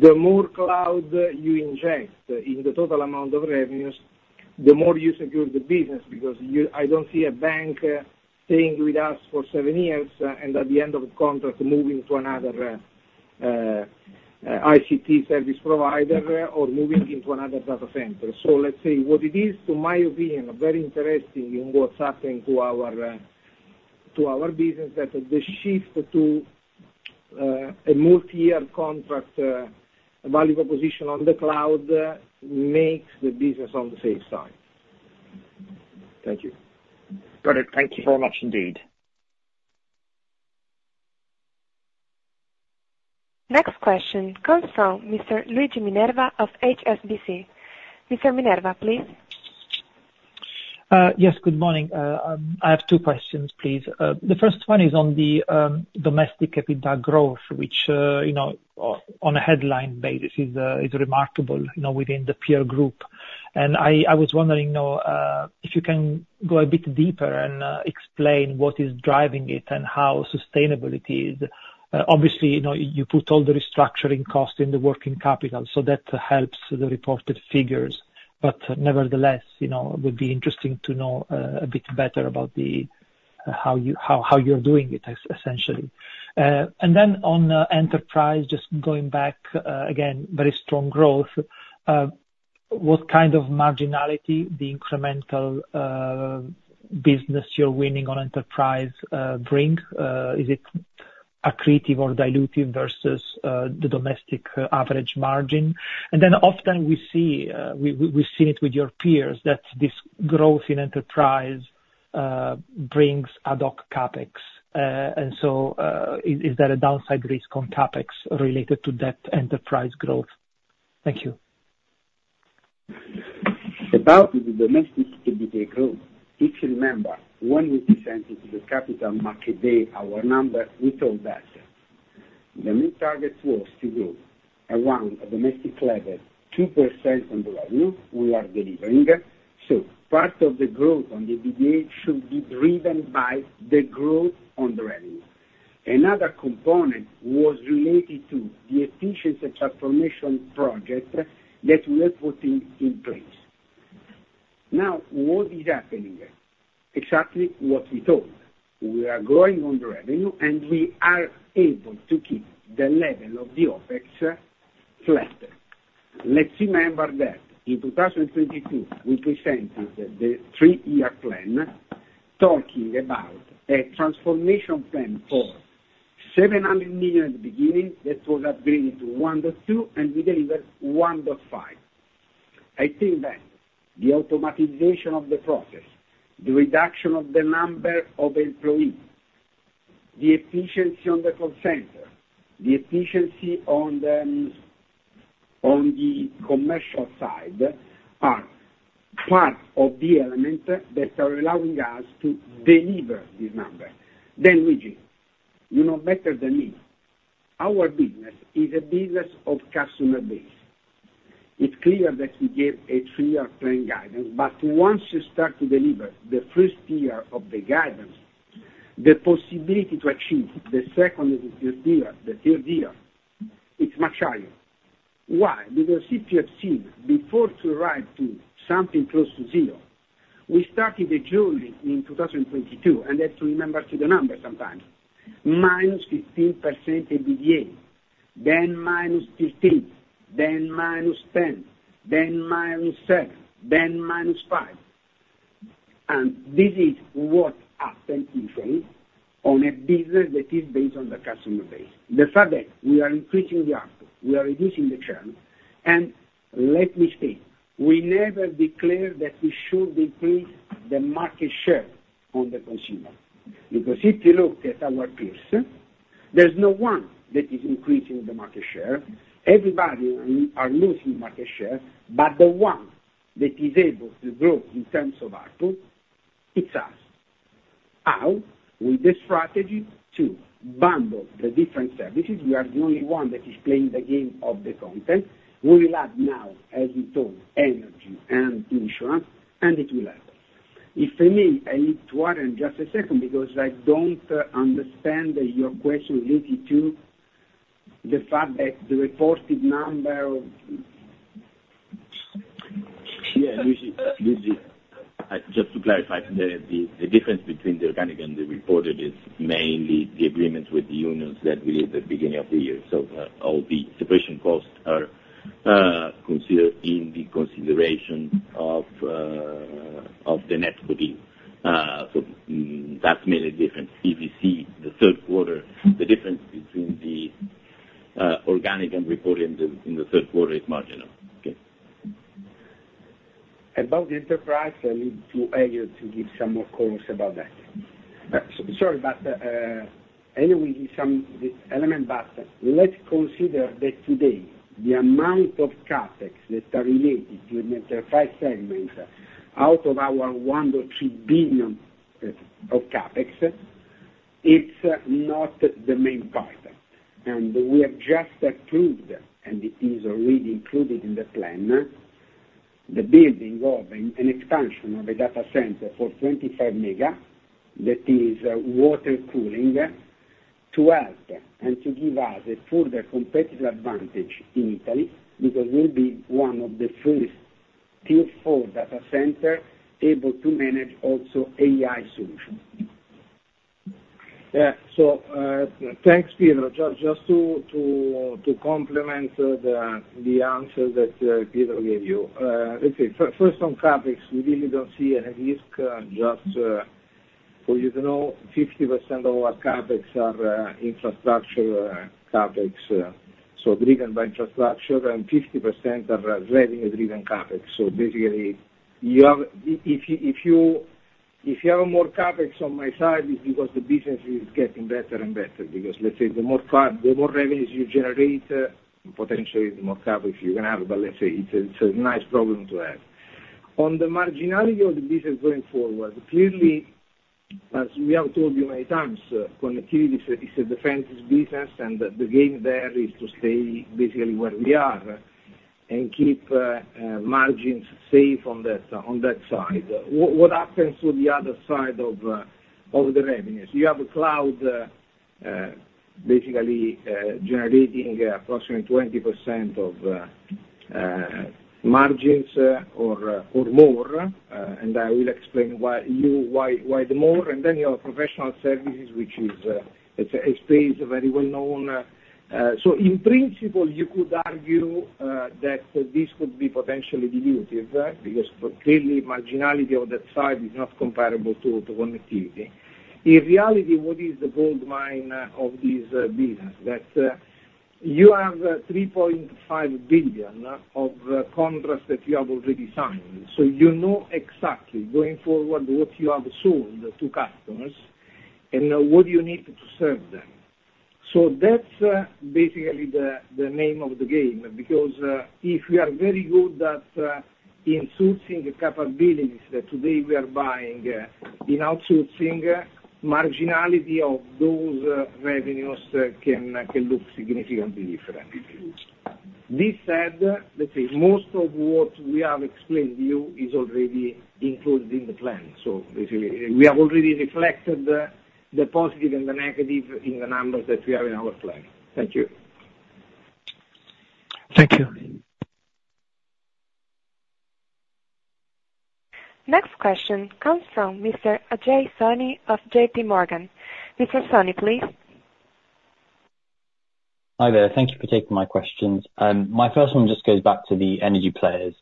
the more cloud you inject in the total amount of revenues, the more you secure the business because I don't see a bank staying with us for seven years and at the end of the contract moving to another ICT service provider or moving into another data center. So let's say what it is. In my opinion, it is very interesting in what's happening to our business that the shift to a multi-year contract value proposition on the cloud makes the business on the safe side. Thank you. Got it. Thank you very much indeed. Next question comes from Mr. Luigi Minerva of HSBC. Mr. Minerva, please. Yes. Good morning. I have two questions, please. The first one is on the domestic EBITDA growth, which on a headline basis is remarkable within the peer group. And I was wondering if you can go a bit deeper and explain what is driving it and how sustainable it is. Obviously, you put all the restructuring costs in the working capital, so that helps the reported figures. But nevertheless, it would be interesting to know a bit better about how you're doing it, essentially. And then on enterprise, just going back again, very strong growth. What kind of marginality the incremental business you're winning on enterprise brings? Is it accretive or dilutive versus the domestic average margin? And then often we see it with your peers that this growth in enterprise brings Ad Hoc CapEx. And so is there a downside risk on CapEx related to that enterprise growth? Thank you. About the domestic EBITDA growth, if you remember, when we presented to the capital market day our number, we told that the main target was to grow around a domestic level 2% on the revenue we are delivering. So part of the growth on the EBITDA should be driven by the growth on the revenue. Another component was related to the efficiency transformation project that we are putting in place. Now, what is happening? Exactly what we told. We are growing on the revenue, and we are able to keep the level of the OpEx flat. Let's remember that in 2022, we presented the three-year plan talking about a transformation plan for 700 million at the beginning that was upgraded to 1.2 billion, and we delivered 1.5 billion. I think that the automation of the process, the reduction of the number of employees, the efficiency on the call center, the efficiency on the commercial side are part of the element that are allowing us to deliver this number. Then, Luigi, you know better than me. Our business is a business of customer base. It's clear that we give a three-year plan guidance, but once you start to deliver the first tier of the guidance, the possibility to achieve the second and the third tier, it's much higher. Why? Because if you have seen before to arrive to something close to zero, we started the journey in 2022, and that's to remember to the number sometimes, -15% EBITDA, then -15%, then -10%, then -7%, then -5%. And this is what happened usually on a business that is based on the customer base. The fact that we are increasing the ARPU, we are reducing the churn, and let me say, we never declared that we should increase the market share on the consumer. Because if you look at our peers, there's no one that is increasing the market share. Everybody is losing market share, but the one that is able to grow in terms of ARPU, it's us. Our, with the strategy to bundle the different services, we are the only one that is playing the game of the content. We will add now, as we told, energy and insurance, and it will help. If I may, I need to add in just a second because I don't understand your question related to the fact that the reported number of. Yeah, Luigi. Just to clarify, the difference between the organic and the reported is mainly the agreement with the unions that we did at the beginning of the year. So all the separation costs are considered in the consideration of the NetCo. So that's mainly the difference. EBITDA, the third quarter, the difference between the organic and reported in the third quarter is marginal. Okay. About the enterprise, I need Elio to give some more comments about that. Sorry, but I know we give some element, but let's consider that today the amount of CapEx that are related to the enterprise segment out of our €1.3 billion of CapEx, it's not the main part, and we have just approved, and it is already included in the plan, the building of an expansion of a data center for 25 mega, that is water cooling, to help and to give us a further competitive advantage in Italy because we'll be one of the first Tier four data centers able to manage also AI solutions. So thanks, Pietro. Just to complement the answer that Pietro gave you, let's say first on CapEx, we really don't see any risk. Just for you to know, 50% of our CapEx are infrastructure CapEx, so driven by infrastructure, and 50% are revenue-driven CapEx. So basically, if you have more CapEx on my side, it's because the business is getting better and better because, let's say, the more revenues you generate, potentially the more CapEx you're going to have. But let's say it's a nice problem to have. On the marginality of the business going forward, clearly, as we have told you many times, connectivity is a defensive business, and the game there is to stay basically where we are and keep margins safe on that side. What happens to the other side of the revenues? You have a cloud basically generating approximately 20% of margins or more, and I will explain why the more, and then you have professional services, which is a space very well known, so in principle, you could argue that this could be potentially dilutive because clearly marginality on that side is not comparable to connectivity. In reality, what is the gold mine of this business? That you have 3.5 billion of contracts that you have already signed, so you know exactly going forward what you have sold to customers and what you need to serve them, so that's basically the name of the game because if we are very good at insourcing the capabilities that today we are buying in outsourcing, marginality of those revenues can look significantly different. This said, let's say, most of what we have explained to you is already included in the plan. So basically, we have already reflected the positive and the negative in the numbers that we have in our plan. Thank you. Thank you. Next question comes from Mr. Ajay Soni of JPMorgan. Mr. Soni, please. Hi there. Thank you for taking my questions. My first one just goes back to the energy players.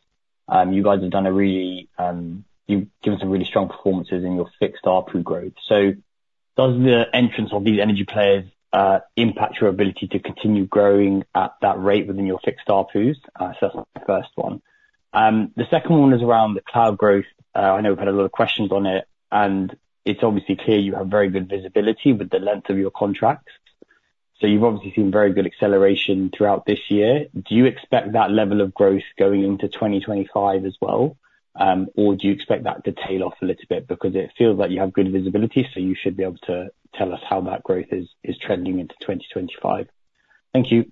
You guys have given some really strong performances in your fixed ARPU growth. So does the entrance of these energy players impact your ability to continue growing at that rate within your fixed ARPUs? So that's my first one. The second one is around the cloud growth. I know we've had a lot of questions on it, and it's obviously clear you have very good visibility with the length of your contracts. So you've obviously seen very good acceleration throughout this year. Do you expect that level of growth going into 2025 as well, or do you expect that to tail off a little bit? Because it feels like you have good visibility, so you should be able to tell us how that growth is trending into 2025. Thank you.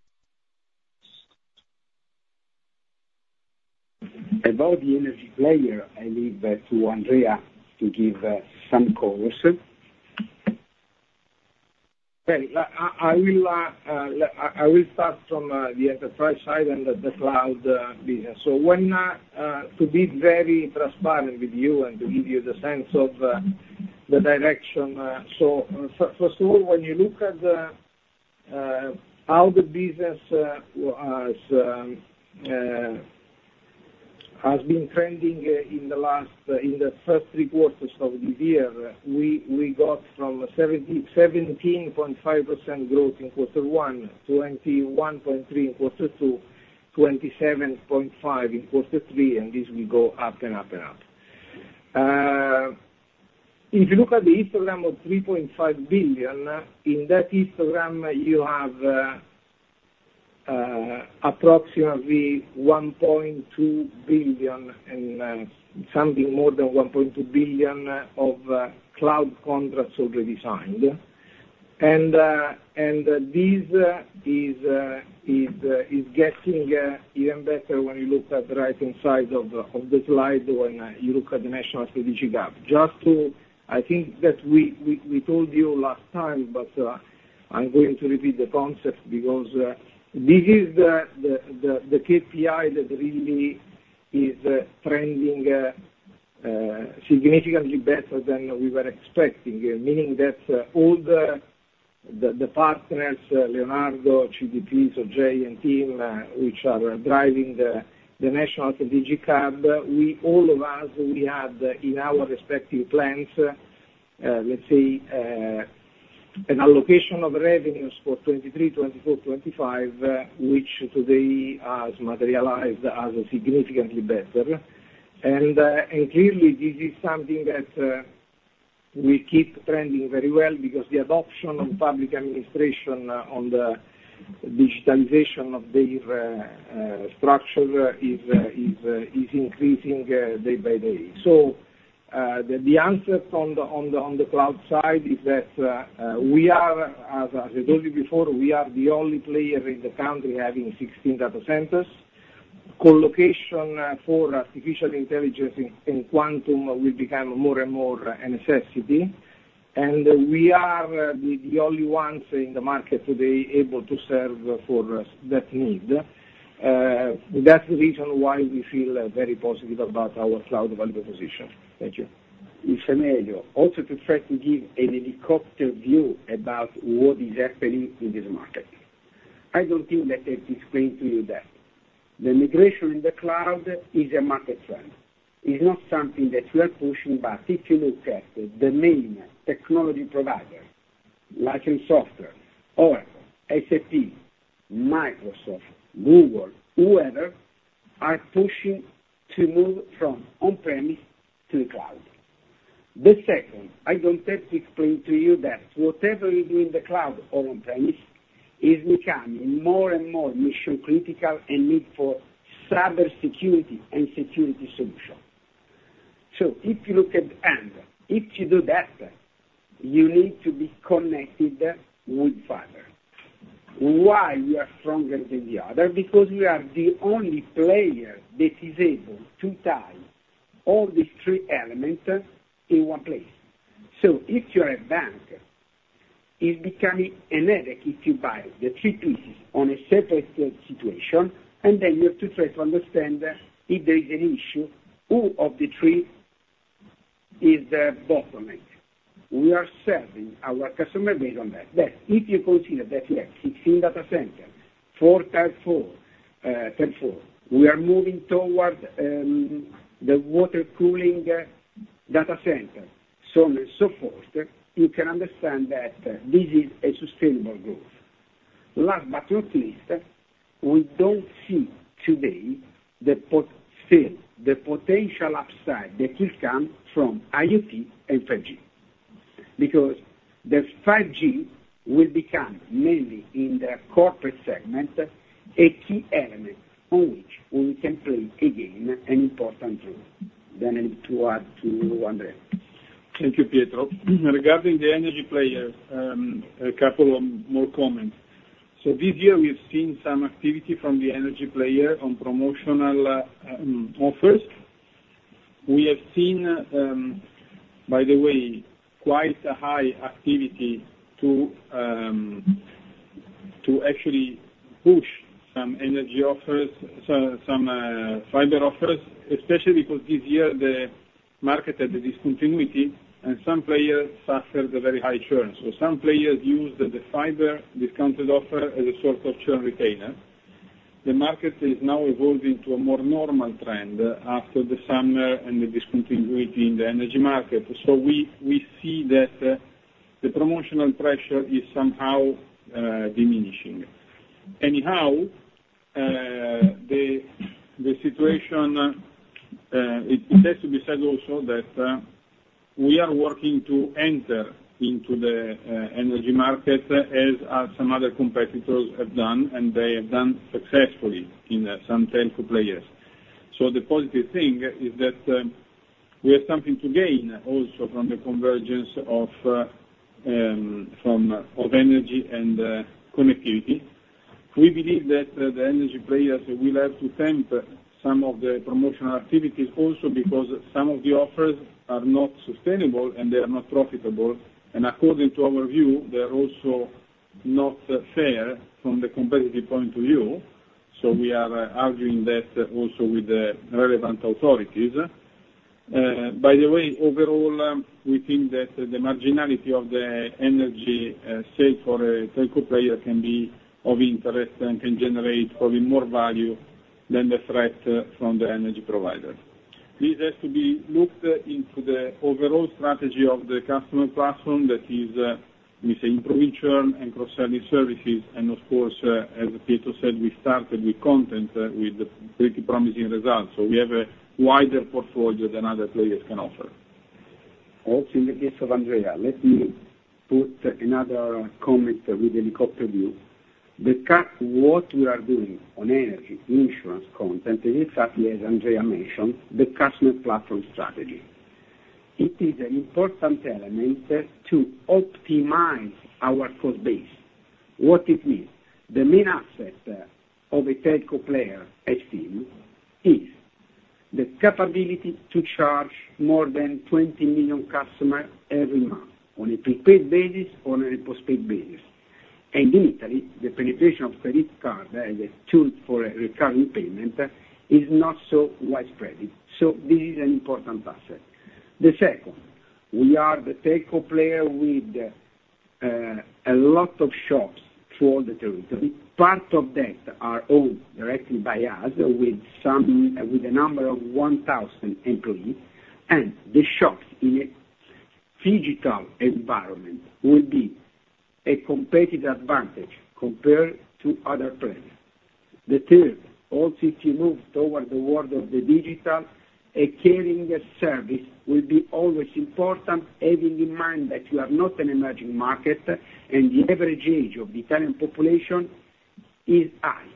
About the energy player, I leave that to Andrea to give some comments. I will start from the enterprise side and the cloud business. So to be very transparent with you and to give you the sense of the direction, so first of all, when you look at how the business has been trending in the first three quarters of the year, we got from 17.5% growth in quarter one, 21.3% in quarter two, 27.5% in quarter three, and this will go up and up and up. If you look at the histogram of 3.5 billion, in that histogram, you have approximately 1.2 billion and something more than 1.2 billion of cloud contracts already signed. And this is getting even better when you look at the right-hand side of the slide when you look at the National Strategic Hub. Just to, I think that we told you last time, but I'm going to repeat the concept because this is the KPI that really is trending significantly better than we were expecting, meaning that all the partners, Leonardo, CDP, Sogei and TIM, which are driving the National Strategic Hub, all of us, we had in our respective plans, let's say, an allocation of revenues for 2023, 2024, 2025, which today has materialized as significantly better. And clearly, this is something that will keep trending very well because the adoption of public administration on the digitalization of their structure is increasing day by day. So the answer on the cloud side is that we are, as I told you before, we are the only player in the country having 16 data centers. Colocation for artificial intelligence and quantum will become more and more a necessity. We are the only ones in the market today able to serve for that need. That's the reason why we feel very positive about our cloud value proposition. Thank you. Listen Elio, also to try to give a helicopter view about what is happening in this market. I don't think that I've explained to you that the migration in the cloud is a market trend. It's not something that we are pushing, but if you look at the main technology providers like in software, Oracle, SAP, Microsoft, Google, whoever are pushing to move from on-premise to the cloud. The second, I don't have to explain to you that whatever we do in the cloud or on-premise is becoming more and more mission-critical and need for cyber security and security solutions. So if you look at the end, if you do that, you need to be connected with fiber. Why we are stronger than the other? Because we are the only player that is able to tie all these three elements in one place. So if you're a bank, it's becoming inadequate to buy the three pieces on a separate situation, and then you have to try to understand if there is an issue who of the three is bottleneck. We are serving our customer base on that. That if you consider that we have 16 data centers, four Tier four, we are moving toward the Water Cooling data centers, so on and so forth, you can understand that this is a sustainable growth. Last but not least, we don't see today the potential upside that will come from IoT and 5G because the 5G will become mainly in the corporate segment a key element on which we can play again an important role. Then I need to add to Andrea. Thank you, Pietro. Regarding the energy player, a couple more comments. So this year we've seen some activity from the energy player on promotional offers. We have seen, by the way, quite a high activity to actually push some energy offers, some fiber offers, especially because this year the market had a discontinuity and some players suffered a very high churn. So some players used the fiber discounted offer as a sort of churn retainer. The market is now evolving to a more normal trend after the summer and the discontinuity in the energy market. So we see that the promotional pressure is somehow diminishing. Anyhow, the situation, it has to be said also that we are working to enter into the energy market as some other competitors have done, and they have done successfully in some telco players. So the positive thing is that we have something to gain also from the convergence of energy and connectivity. We believe that the energy players will have to tempt some of the promotional activities also because some of the offers are not sustainable and they are not profitable. And according to our view, they are also not fair from the competitive point of view. So we are arguing that also with the relevant authorities. By the way, overall, we think that the marginality of the energy sale for a telco player can be of interest and can generate probably more value than the threat from the energy providers. This has to be looked into the overall strategy of the customer platform that is, let me say, in-province churn and cross-service services. And of course, as Pietro said, we started with content with pretty promising results. We have a wider portfolio than other players can offer. Also in the case of Andrea, let me put another comment with helicopter view. What we are doing on energy, insurance, content, and exactly as Andrea mentioned, the customer platform strategy, it is an important element to optimize our cost base. What it means? The main asset of a telco player as TIM is the capability to charge more than 20 million customers every month on a prepaid basis or on a postpaid basis. And in Italy, the penetration of credit card as a tool for recurring payment is not so widespread. So this is an important asset. The second, we are the telco player with a lot of shops throughout the territory. Part of that are owned directly by us with a number of 1,000 employees, and the shops in a digital environment will be a competitive advantage compared to other players. The third, once if you move toward the world of the digital, a caring service will be always important, having in mind that you are not an emerging market and the average age of the Italian population is high.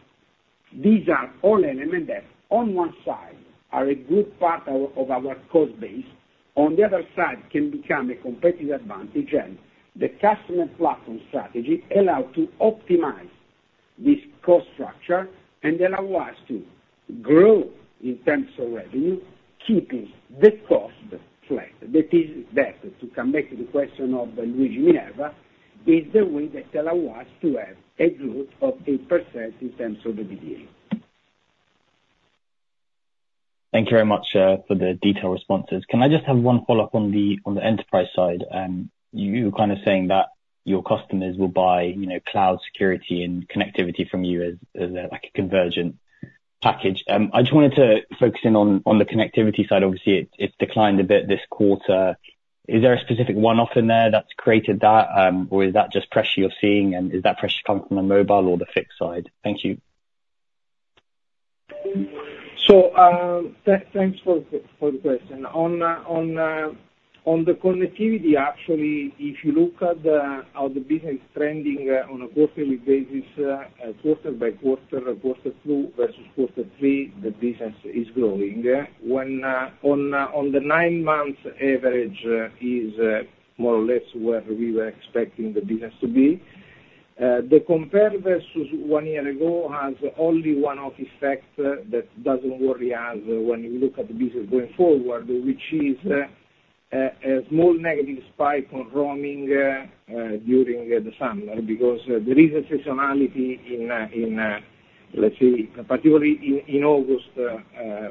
These are all elements that on one side are a good part of our cost base. On the other side, can become a competitive advantage and the customer platform strategy allows to optimize this cost structure and allow us to grow in terms of revenue, keeping the cost flat. That is that to come back to the question of Luigi Minerva, is the way that allow us to have a growth of 8% in terms of the EBITDA. Thank you very much for the detailed responses. Can I just have one follow-up on the enterprise side? You were kind of saying that your customers will buy cloud security and connectivity from you as a convergent package. I just wanted to focus in on the connectivity side. Obviously, it's declined a bit this quarter. Is there a specific one-off in there that's created that, or is that just pressure you're seeing? And is that pressure coming from the mobile or the fixed side? Thank you. So thanks for the question. On the connectivity, actually, if you look at how the business is trending on a quarterly basis, quarter by quarter, quarter two versus quarter three, the business is growing. And the nine-month average is more or less where we were expecting the business to be. The compare versus one year ago has only one offsetting factor that doesn't worry us when you look at the business going forward, which is a small negative spike on roaming during the summer because there is a seasonality in, let's say, particularly in August,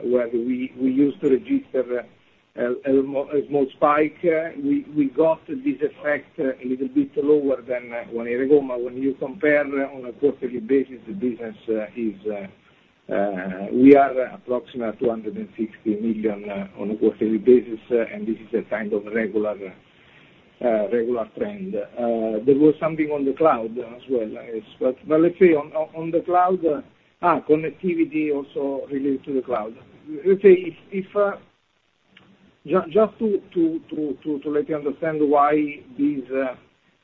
where we used to register a small spike. We got this effect a little bit lower than one year ago, but when you compare on a quarterly basis, the business, we are approximately 260 million on a quarterly basis, and this is a kind of regular trend. There was something on the cloud as well, but let's say on the cloud, connectivity also related to the cloud. Let's say if just to let you understand why this,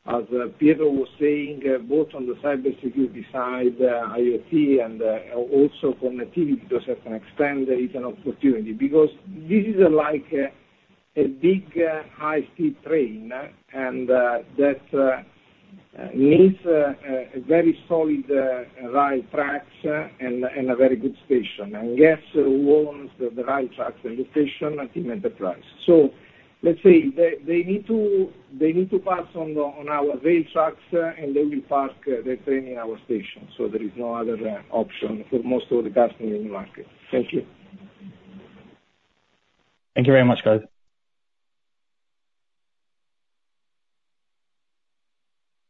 as Pietro was saying, both on the cyber security side, IoT, and also connectivity does have an extended opportunity because this is like a big high-speed train and that needs a very solid rail tracks and a very good station, and guess who owns the rail tracks and the station are TIM Enterprise. So let's say they need to pass on our rail tracks and they will park their train in our station, so there is no other option for most of the customers in the market. Thank you. Thank you very much, guys.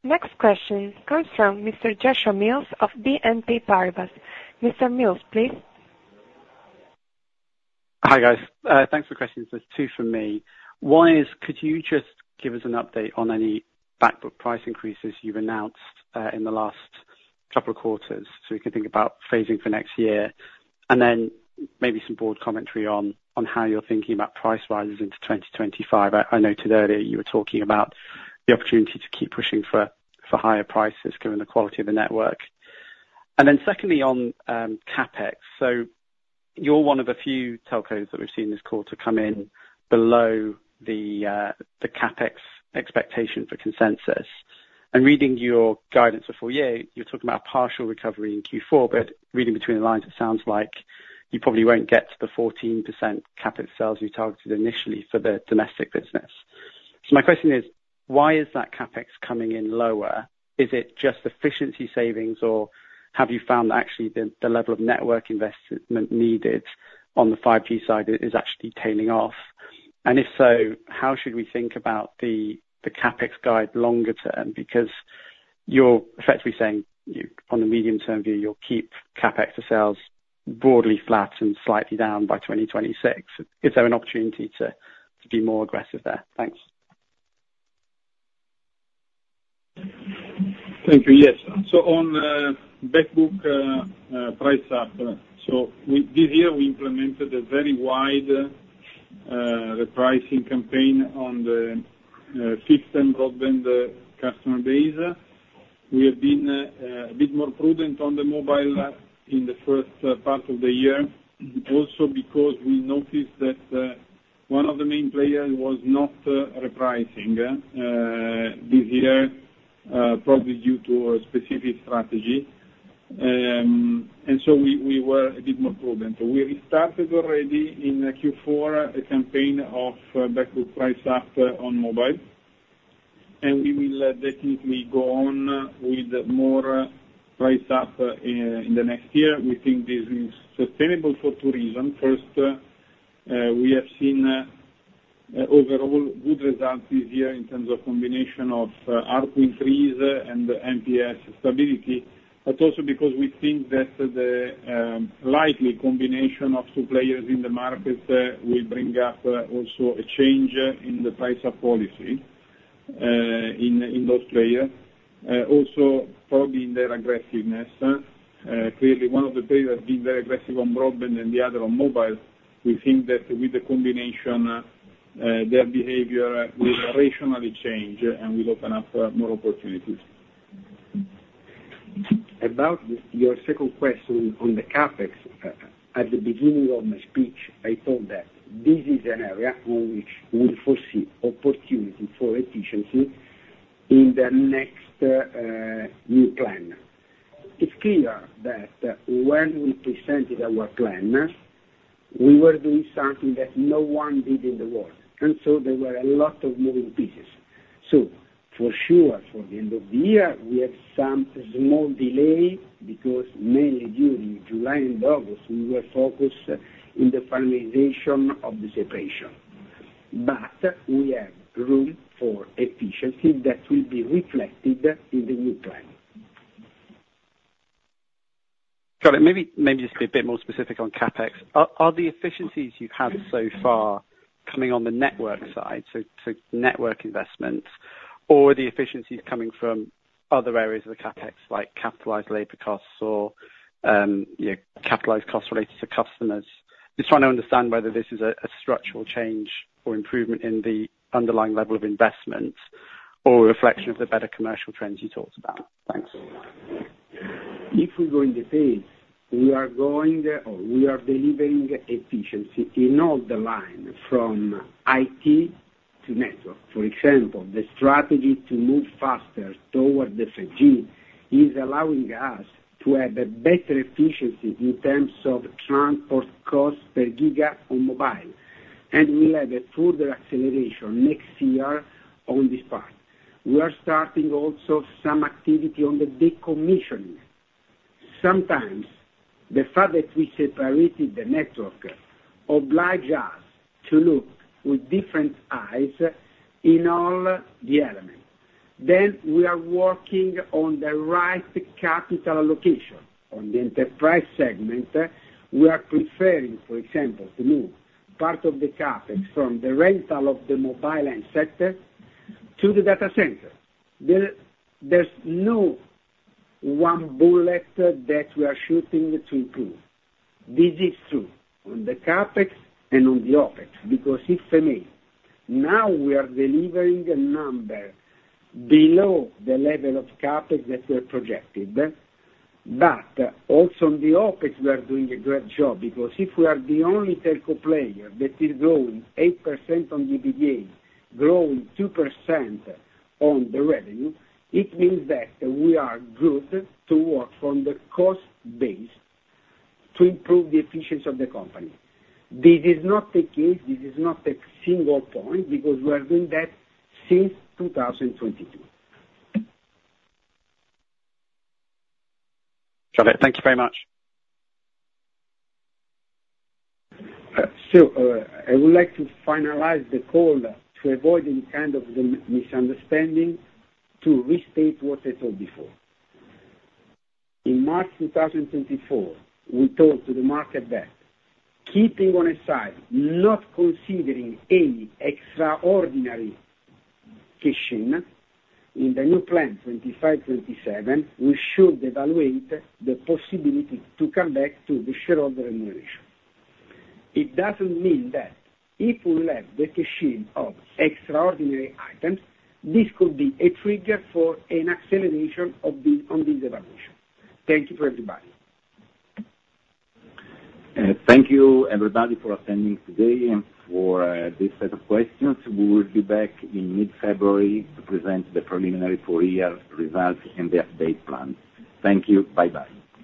Next question comes from Mr. Joshua Mills of BNP Paribas. Mr. Mills, please. Hi guys. Thanks for the questions. There's two for me. One is, could you just give us an update on any backbook price increases you've announced in the last couple of quarters so we can think about phasing for next year? And then maybe some broad commentary on how you're thinking about price rises into 2025. I noted earlier you were talking about the opportunity to keep pushing for higher prices given the quality of the network. And then secondly on CapEx. So you're one of the few telcos that we've seen this quarter come in below the CapEx expectation for consensus. And reading your guidance for four years, you're talking about a partial recovery in Q4, but reading between the lines, it sounds like you probably won't get to the 14% CapEx sales you targeted initially for the domestic business. So my question is, why is that CapEx coming in lower? Is it just efficiency savings, or have you found that actually the level of network investment needed on the 5G side is actually tailing off? And if so, how should we think about the CapEx guide longer term? Because you're effectively saying on the medium-term view, you'll keep CapEx sales broadly flat and slightly down by 2026. Is there an opportunity to be more aggressive there? Thanks. Thank you. Yes. So on backbook price up, so this year we implemented a very wide repricing campaign on the fixed and broadband customer base. We have been a bit more prudent on the mobile in the first part of the year, also because we noticed that one of the main players was not repricing this year, probably due to a specific strategy. And so we were a bit more prudent. We restarted already in Q4 a campaign of backbook price up on mobile. And we will definitely go on with more price up in the next year. We think this is sustainable for two reasons. First, we have seen overall good results this year in terms of combination of ARPU wins and MNP stability, but also because we think that the likely combination of two players in the market will bring about also a change in the pricing policy in those players. Also, probably in their aggressiveness. Clearly, one of the players has been very aggressive on broadband and the other on mobile. We think that with the combination, their behavior will rationally change and will open up more opportunities. About your second question on the CapEx, at the beginning of my speech, I told that this is an area on which we foresee opportunity for efficiency in the next new plan. It's clear that when we presented our plan, we were doing something that no one did in the world, and so there were a lot of moving pieces. So for sure, for the end of the year, we have some small delay because mainly during July and August, we were focused in the finalization of the separation. But we have room for efficiency that will be reflected in the new plan. Got it. Maybe just to be a bit more specific on CapEx, are the efficiencies you've had so far coming on the network side, so network investments, or are the efficiencies coming from other areas of the CapEx like capitalized labor costs or capitalized costs related to customers? Just trying to understand whether this is a structural change or improvement in the underlying level of investment or a reflection of the better commercial trends you talked about. Thanks. If we go in the phase, we are going or we are delivering efficiency in all the line from IT to network. For example, the strategy to move faster toward the 5G is allowing us to have a better efficiency in terms of transport cost per giga on mobile, and we'll have a further acceleration next year on this part. We are starting also some activity on the decommissioning. Sometimes the fact that we separated the network obliges us to look with different eyes in all the elements, then we are working on the right capital allocation. On the enterprise segment, we are preferring, for example, to move part of the CapEx from the rental of the mobile end sector to the data center. There's no one bullet that we are shooting to improve. This is true on the CapEx and on the OpEx because if for me, now we are delivering a number below the level of CapEx that we have projected, but also on the OpEx, we are doing a great job because if we are the only telco player that is growing 8% on EBITDA, growing 2% on the revenue, it means that we are good to work on the cost base to improve the efficiency of the company. This is not the case. This is not a single point because we are doing that since 2022. Got it. Thank you very much. So I would like to finalize the call to avoid any kind of misunderstanding, to restate what I told before. In March 2024, we told to the market that keeping on a side, not considering any extraordinary cash in the new plan 2025, 2027, we should evaluate the possibility to come back to the shareholder evaluation. It doesn't mean that if we left the cash of extraordinary items, this could be a trigger for an acceleration on this evaluation. Thank you for everybody. Thank you, everybody, for attending today and for this set of questions. We will be back in mid-February to present the preliminary four-year results and the update plan. Thank you. Bye-bye.